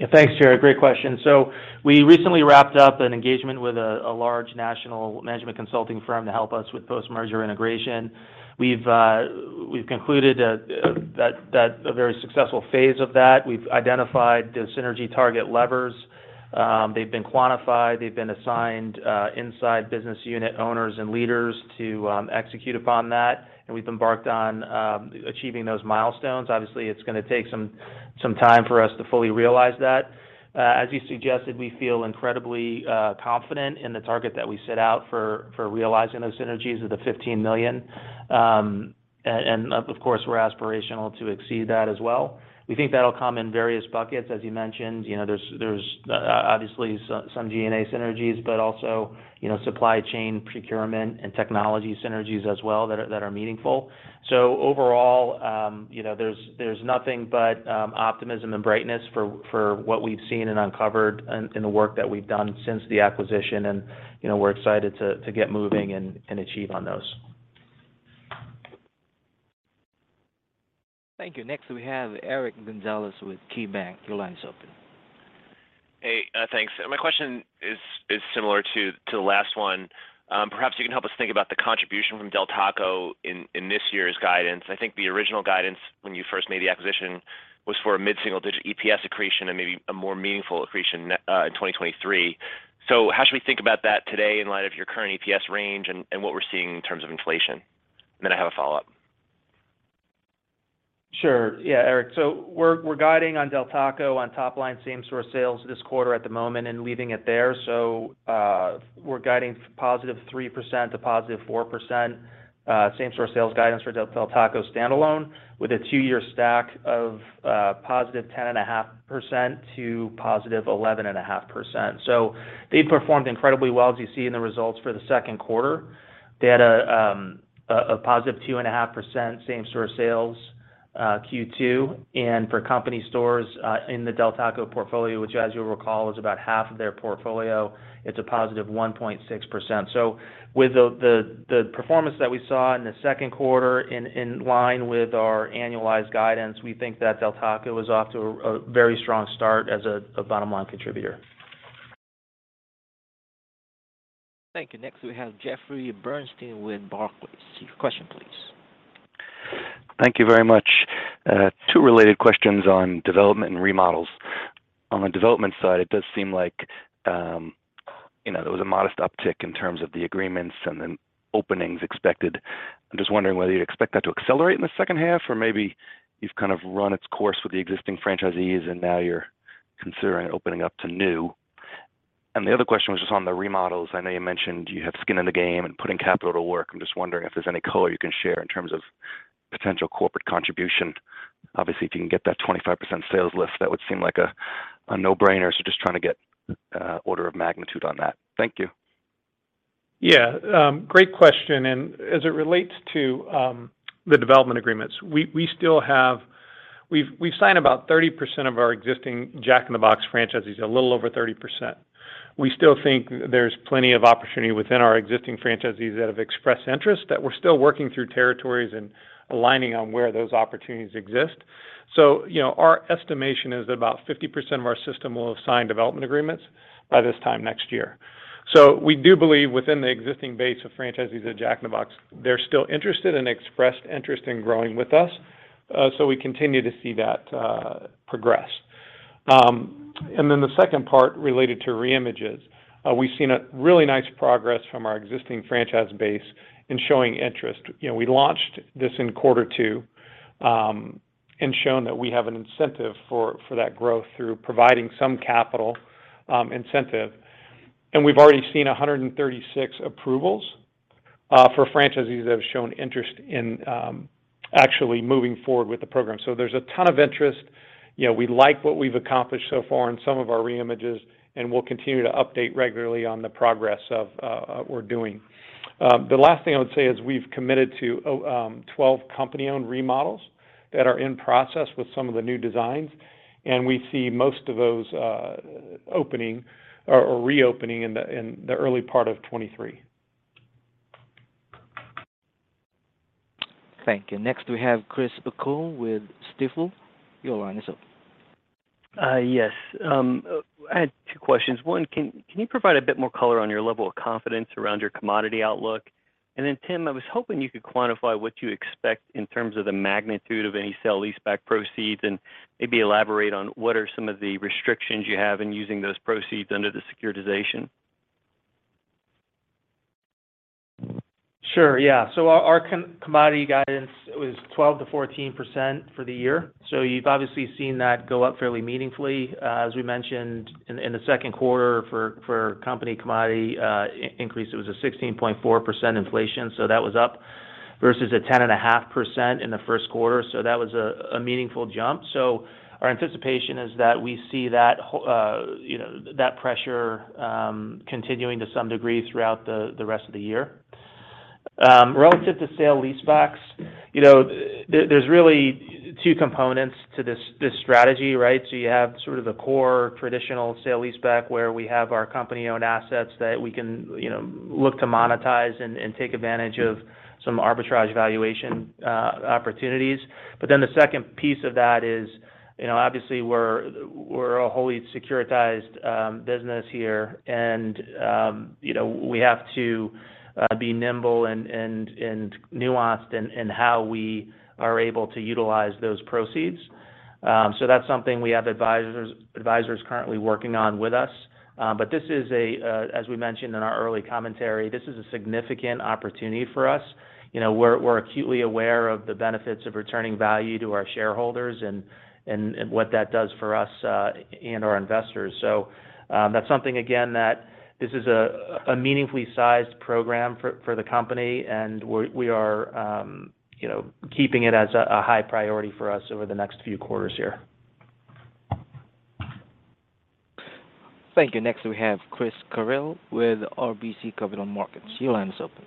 Yeah. Thanks, Jared. Great question. We recently wrapped up an engagement with a large national management consulting firm to help us with post-merger integration. We've concluded a very successful phase of that. We've identified the synergy target levers. They've been quantified, they've been assigned inside business unit owners and leaders to execute upon that, and we've embarked on achieving those milestones. Obviously, it's gonna take some time for us to fully realize that. As you suggested, we feel incredibly confident in the target that we set out for realizing those synergies of $15 million. Of course, we're aspirational to exceed that as well. We think that'll come in various buckets, as you mentioned. You know, there's obviously some G&A synergies, but also, you know, supply chain procurement and technology synergies as well that are meaningful. Overall, you know, there's nothing but optimism and brightness for what we've seen and uncovered in the work that we've done since the acquisition and, you know, we're excited to get moving and achieve on those. Thank you. Next, we have Eric Gonzalez with KeyBanc. Your line is open. Hey, thanks. My question is similar to the last one. Perhaps you can help us think about the contribution from Del Taco in this year's guidance. I think the original guidance when you first made the acquisition was for a mid-single-digit EPS accretion and maybe a more meaningful accretion in 2023. How should we think about that today in light of your current EPS range and what we're seeing in terms of inflation? I have a follow-up. Sure. Yeah, Eric. We're guiding on Del Taco on top line same-store sales this quarter at the moment and leaving it there. We're guiding +3% to +4% same-store sales guidance for Del Taco standalone with a two-year stack of +10.5% to +11.5%. They've performed incredibly well, as you see in the results for the second quarter. They had a +2.5% same-store sales, Q2. For company stores in the Del Taco portfolio, which as you'll recall, is about half of their portfolio, it's a +1.6%. With the performance that we saw in the second quarter in line with our annualized guidance, we think that Del Taco is off to a very strong start as a bottom-line contributor. Thank you. Next, we have Jeffrey Bernstein with Barclays. Your question, please. Thank you very much. Two related questions on development and remodels. On the development side, it does seem like, you know, there was a modest uptick in terms of the agreements and then openings expected. I'm just wondering whether you'd expect that to accelerate in the second half, or maybe you've kind of run its course with the existing franchisees and now you're considering opening up to new. The other question was just on the remodels. I know you mentioned you have skin in the game and putting capital to work. I'm just wondering if there's any color you can share in terms of potential corporate contribution. Obviously, if you can get that 25% sales lift, that would seem like a no-brainer. Just trying to get order of magnitude on that. Thank you. Yeah. Great question. As it relates to the development agreements, we've signed about 30% of our existing Jack in the Box franchisees, a little over 30%. We still think there's plenty of opportunity within our existing franchisees that have expressed interest, that we're still working through territories and aligning on where those opportunities exist. You know, our estimation is that about 50% of our system will have signed development agreements by this time next year. We do believe within the existing base of franchisees at Jack in the Box, they're still interested and expressed interest in growing with us. We continue to see that progress. And then the second part related to re-images. We've seen a really nice progress from our existing franchise base in showing interest. You know, we launched this in quarter two and shown that we have an incentive for that growth through providing some capital incentive. We've already seen 136 approvals for franchisees that have shown interest in actually moving forward with the program. There's a ton of interest. You know, we like what we've accomplished so far in some of our reimages, and we'll continue to update regularly on the progress of what we're doing. The last thing I would say is we've committed to 12 company-owned remodels that are in process with some of the new designs, and we see most of those opening or reopening in the early part of 2023. Thank you. Next, we have Chris O'Cull with Stifel. Your line is open. Yes. I had two questions. One, can you provide a bit more color on your level of confidence around your commodity outlook? Then Tim, I was hoping you could quantify what you expect in terms of the magnitude of any sale leaseback proceeds, and maybe elaborate on what are some of the restrictions you have in using those proceeds under the securitization. Sure, yeah. Our commodity guidance was 12%-14% for the year. You've obviously seen that go up fairly meaningfully. As we mentioned in the second quarter for company commodity increase, it was a 16.4% inflation. That was up versus a 10.5% in the first quarter. That was a meaningful jump. Our anticipation is that we see that pressure, you know, continuing to some degree throughout the rest of the year. Relative to sale-leasebacks, you know, there's really two components to this strategy, right? You have sort of the core traditional sale-leaseback, where we have our company-owned assets that we can, you know, look to monetize and take advantage of some arbitrage valuation opportunities. The second piece of that is, you know, obviously we're a wholly securitized business here and, you know, we have to be nimble and nuanced in how we are able to utilize those proceeds. That's something we have advisors currently working on with us. As we mentioned in our early commentary, this is a significant opportunity for us. You know, we're acutely aware of the benefits of returning value to our shareholders and what that does for us and our investors. That's something again that this is a meaningfully sized program for the company and we are, you know, keeping it as a high priority for us over the next few quarters here. Thank you. Next, we have Chris Carril with RBC Capital Markets. Your line is open.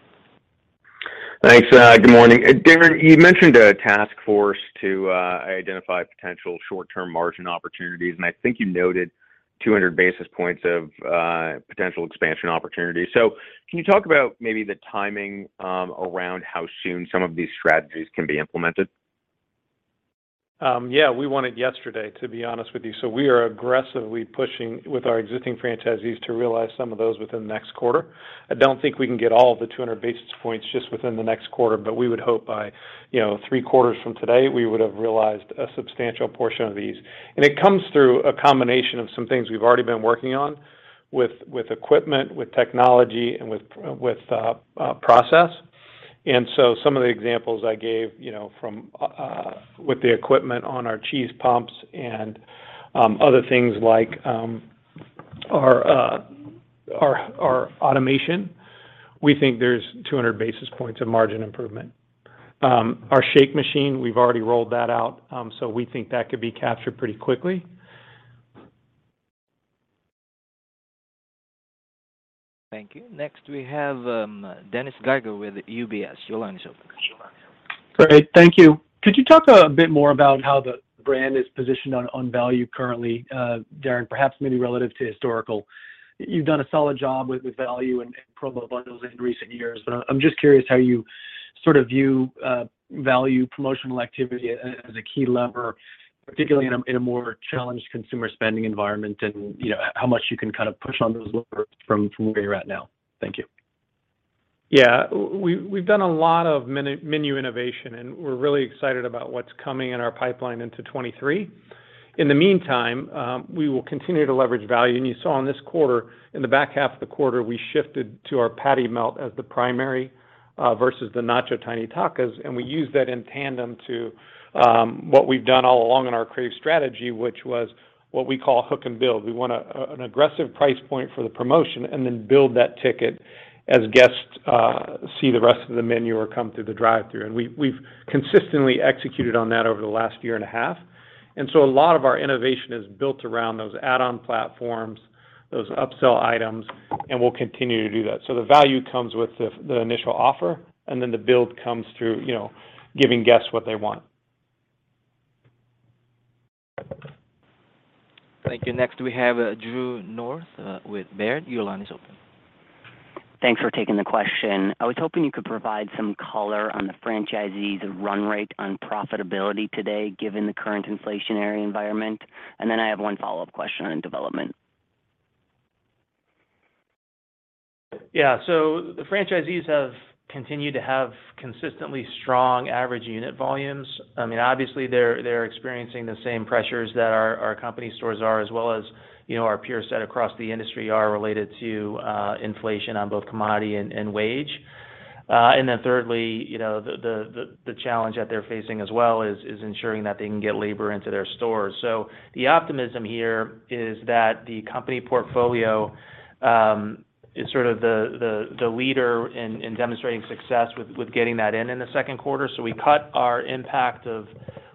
Thanks. Good morning. Darin, you mentioned a task force to identify potential short-term margin opportunities, and I think you noted 200 basis points of potential expansion opportunities. Can you talk about maybe the timing around how soon some of these strategies can be implemented? Yeah. We wanted yesterday, to be honest with you. We are aggressively pushing with our existing franchisees to realize some of those within the next quarter. I don't think we can get all of the 200 basis points just within the next quarter, but we would hope by, you know, three quarters from today, we would have realized a substantial portion of these. It comes through a combination of some things we've already been working on with equipment, with technology, and with process. Some of the examples I gave, you know, from with the equipment on our cheese pumps and other things like our automation, we think there's 200 basis points of margin improvement. Our shake machine, we've already rolled that out, so we think that could be captured pretty quickly. Thank you. Next, we have Dennis Geiger with UBS. Your line is open. Great. Thank you. Could you talk a bit more about how the brand is positioned on value currently, Darin, perhaps maybe relative to historical? You've done a solid job with value and promo bundles in recent years, but I'm just curious how you sort of view value promotional activity as a key lever, particularly in a more challenged consumer spending environment and, you know, how much you can kind of push on those levers from where you're at now. Thank you. Yeah. We've done a lot of menu innovation, and we're really excited about what's coming in our pipeline into 2023. In the meantime, we will continue to leverage value. You saw in this quarter, in the back half of the quarter, we shifted to our Patty Melt as the primary versus the Nacho Tiny Tacos, and we used that in tandem to what we've done all along in our creative strategy, which was what we call hook and build. We want an aggressive price point for the promotion and then build that ticket as guests see the rest of the menu or come through the drive-thru. We've consistently executed on that over the last year and a half. A lot of our innovation is built around those add-on platforms, those upsell items, and we'll continue to do that. The value comes with the initial offer, and then the build comes through, you know, giving guests what they want. Thank you. Next, we have Drew North with Baird. Your line is open. Thanks for taking the question. I was hoping you could provide some color on the franchisees' run rate on profitability today, given the current inflationary environment. I have one follow-up question on development. Yeah. The franchisees have continued to have consistently strong average unit volumes. I mean, obviously, they're experiencing the same pressures that our company stores are, as well as, you know, our peer set across the industry are related to inflation on both commodity and wage. Thirdly, you know, the challenge that they're facing as well is ensuring that they can get labor into their stores. The optimism here is that the company portfolio is sort of the leader in demonstrating success with getting that in the second quarter. We cut our impact of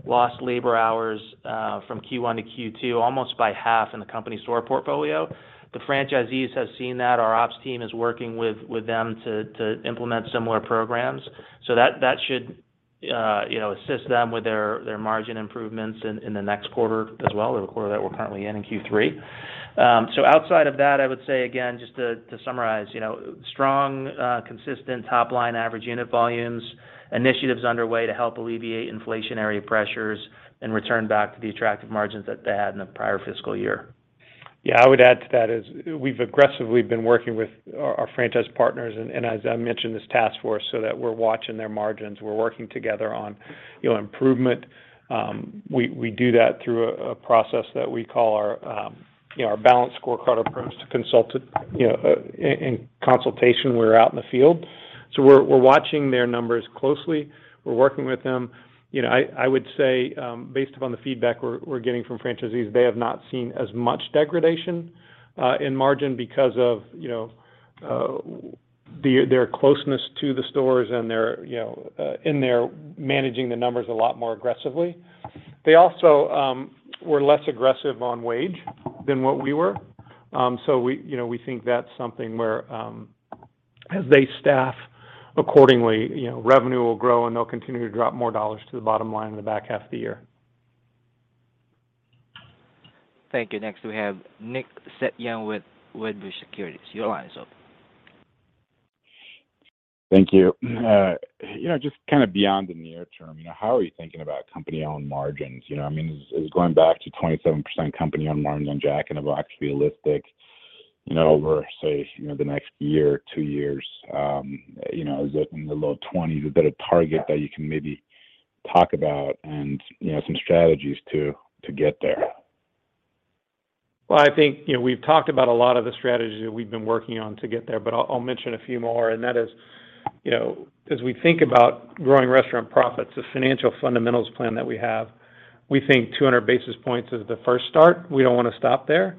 lost labor hours from Q1 to Q2 almost by half in the company store portfolio. The franchisees have seen that. Our ops team is working with them to implement similar programs. That should assist them with their margin improvements in the next quarter as well, or the quarter that we're currently in in Q3. Outside of that, I would say again, just to summarize, strong consistent top line average unit volumes, initiatives underway to help alleviate inflationary pressures and return back to the attractive margins that they had in the prior fiscal year. Yeah. I would add to that is we've aggressively been working with our franchise partners and as I mentioned, this task force so that we're watching their margins. We're working together on improvement. We do that through a process that we call our balanced scorecard approach to consultation in consultation where we're out in the field. We're watching their numbers closely. We're working with them. I would say based upon the feedback we're getting from franchisees, they have not seen as much degradation in margin because of their closeness to the stores and they're in there managing the numbers a lot more aggressively. They also were less aggressive on wage than what we were. We think that's something where, as they staff accordingly, revenue will grow, and they'll continue to drop more dollars to the bottom line in the back half of the year. Thank you. Next, we have Nick Setyan with Wedbush Securities. Your line is open. Thank you. You know, just kinda beyond the near term, you know, how are you thinking about company-owned margins? You know, I mean, is going back to 27% company-owned margins on Jack in the Box realistic, you know, over, say, you know, the next year, two years? You know, is it in the low 20% a better target that you can maybe talk about and, you know, some strategies to get there? Well, I think, you know, we've talked about a lot of the strategies that we've been working on to get there, but I'll mention a few more, and that is, you know, as we think about growing restaurant profits, the Financial Fundamentals plan that we have, we think 200 basis points is the first start. We don't wanna stop there.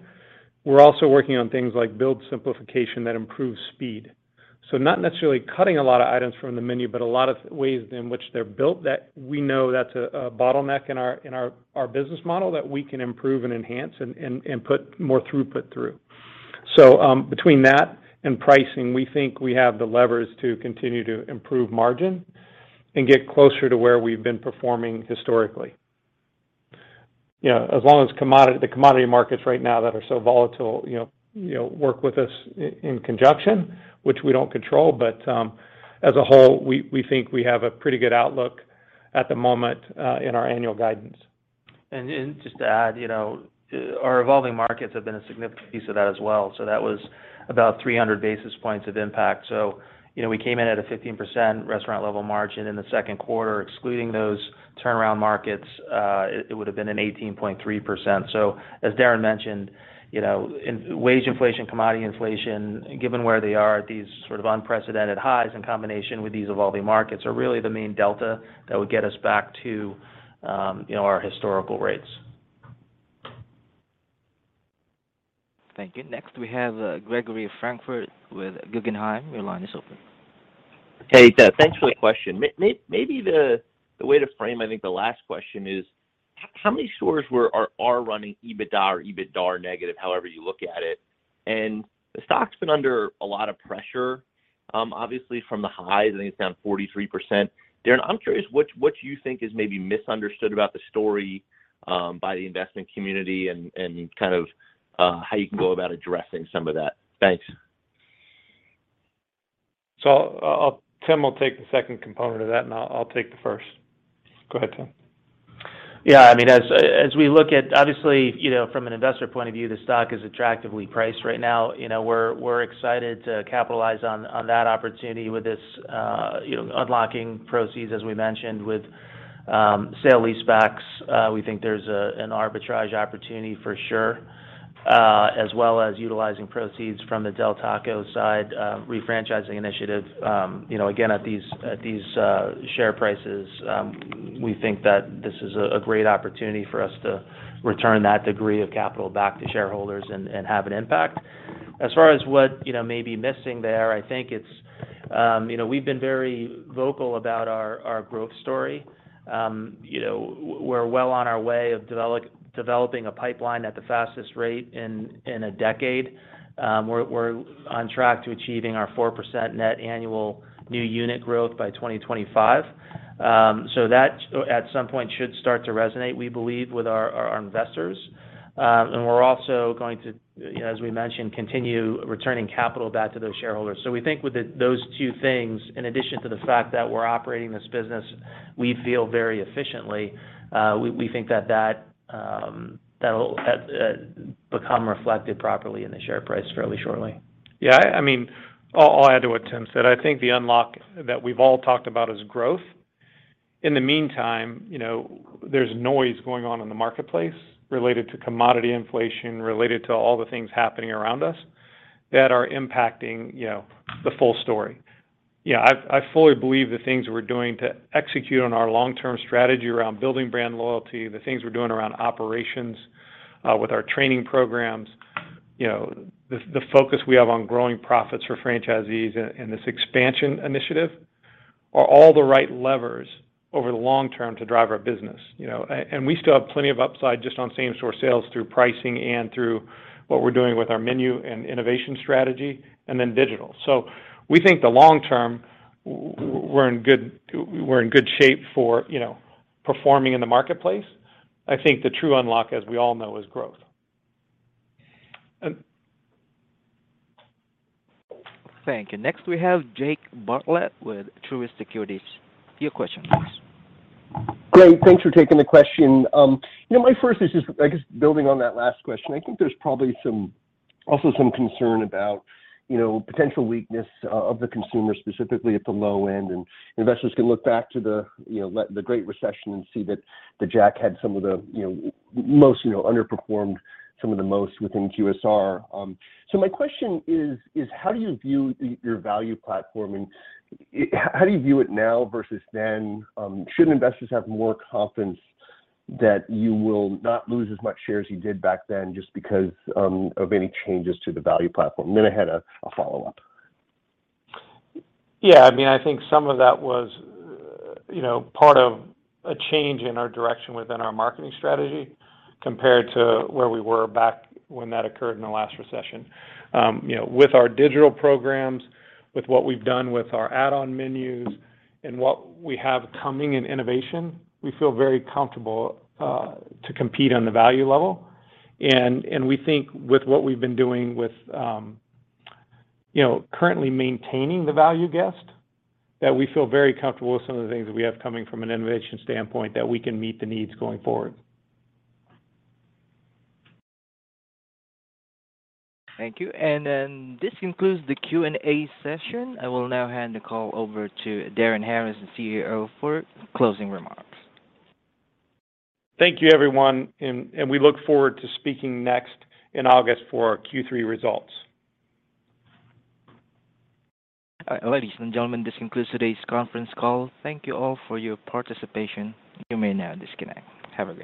We're also working on things like build simplification that improves speed. Not necessarily cutting a lot of items from the menu, but a lot of ways in which they're built that we know that's a bottleneck in our business model that we can improve and enhance and put more throughput through. Between that and pricing, we think we have the levers to continue to improve margin and get closer to where we've been performing historically. You know, as long as the commodity markets right now that are so volatile, you know, work with us in conjunction, which we don't control. But as a whole, we think we have a pretty good outlook at the moment in our annual guidance. Just to add, you know, our evolving markets have been a significant piece of that as well. That wa About 300 basis points of impact. You know, we came in at a 15% restaurant level margin in the second quarter. Excluding those turnaround markets, it would have been an 18.3%. As Darin mentioned, you know, in wage inflation, commodity inflation, given where they are at these sort of unprecedented highs in combination with these evolving markets, are really the main delta that would get us back to, you know, our historical rates. Thank you. Next, we have Gregory Francfort with Guggenheim. Your line is open. Hey, Tim. Thanks for the question. Maybe the way to frame, I think, the last question is how many stores are running EBITDA or EBITDAR negative, however you look at it? The stock's been under a lot of pressure, obviously from the highs. I think it's down 43%. Darin, I'm curious what you think is maybe misunderstood about the story, by the investment community and kind of how you can go about addressing some of that. Thanks. Tim will take the second component of that, and I'll take the first. Go ahead, Tim. Yeah. I mean, as we look obviously, you know, from an investor point of view, the stock is attractively priced right now. You know, we're excited to capitalize on that opportunity with this, you know, unlocking proceeds, as we mentioned, with sale-leasebacks. We think there's an arbitrage opportunity for sure, as well as utilizing proceeds from the Del Taco side, refranchising initiative. You know, again, at these share prices, we think that this is a great opportunity for us to return that degree of capital back to shareholders and have an impact. As far as what, you know, may be missing there, I think it's, you know, we've been very vocal about our growth story. You know, we're well on our way of developing a pipeline at the fastest rate in a decade. We're on track to achieving our 4% net annual new unit growth by 2025. So that at some point should start to resonate, we believe, with our investors. We're also going to, you know, as we mentioned, continue returning capital back to those shareholders. We think with those two things, in addition to the fact that we're operating this business, we feel very efficiently, we think that'll become reflected properly in the share price fairly shortly. Yeah, I mean, I'll add to what Tim said. I think the unlock that we've all talked about is growth. In the meantime, you know, there's noise going on in the marketplace related to commodity inflation, related to all the things happening around us that are impacting, you know, the full story. You know, I fully believe the things we're doing to execute on our long-term strategy around building brand loyalty, the things we're doing around operations, with our training programs, you know, the focus we have on growing profits for franchisees and this expansion initiative are all the right levers over the long term to drive our business, you know. We still have plenty of upside just on same-store sales through pricing and through what we're doing with our menu and innovation strategy, and then digital. We think the long term, we're in good shape for, you know, performing in the marketplace. I think the true unlock, as we all know, is growth. Thank you. Next, we have Jake Bartlett with Truist Securities. Your question please. Great. Thanks for taking the question. You know, my first is just, I guess, building on that last question. I think there's probably some concern about, you know, potential weakness of the consumer, specifically at the low end. Investors can look back to the, you know, the Great Recession and see that the Jack had some of the, you know, most, you know, underperformed some of the most within QSR. So my question is, how do you view your value platform, and how do you view it now versus then? Should investors have more confidence that you will not lose as much share as you did back then just because of any changes to the value platform? Then I had a follow-up. Yeah, I mean, I think some of that was, you know, part of a change in our direction within our marketing strategy compared to where we were back when that occurred in the last recession. You know, with our digital programs, with what we've done with our add-on menus and what we have coming in innovation, we feel very comfortable to compete on the value level. We think with what we've been doing with, you know, currently maintaining the value guest, that we feel very comfortable with some of the things that we have coming from an innovation standpoint, that we can meet the needs going forward. Thank you. This concludes the Q&A session. I will now hand the call over to Darin Harris, the CEO, for closing remarks. Thank you, everyone, and we look forward to speaking next in August for our Q3 results. Ladies and gentlemen, this concludes today's conference call. Thank you all for your participation. You may now disconnect. Have a good one.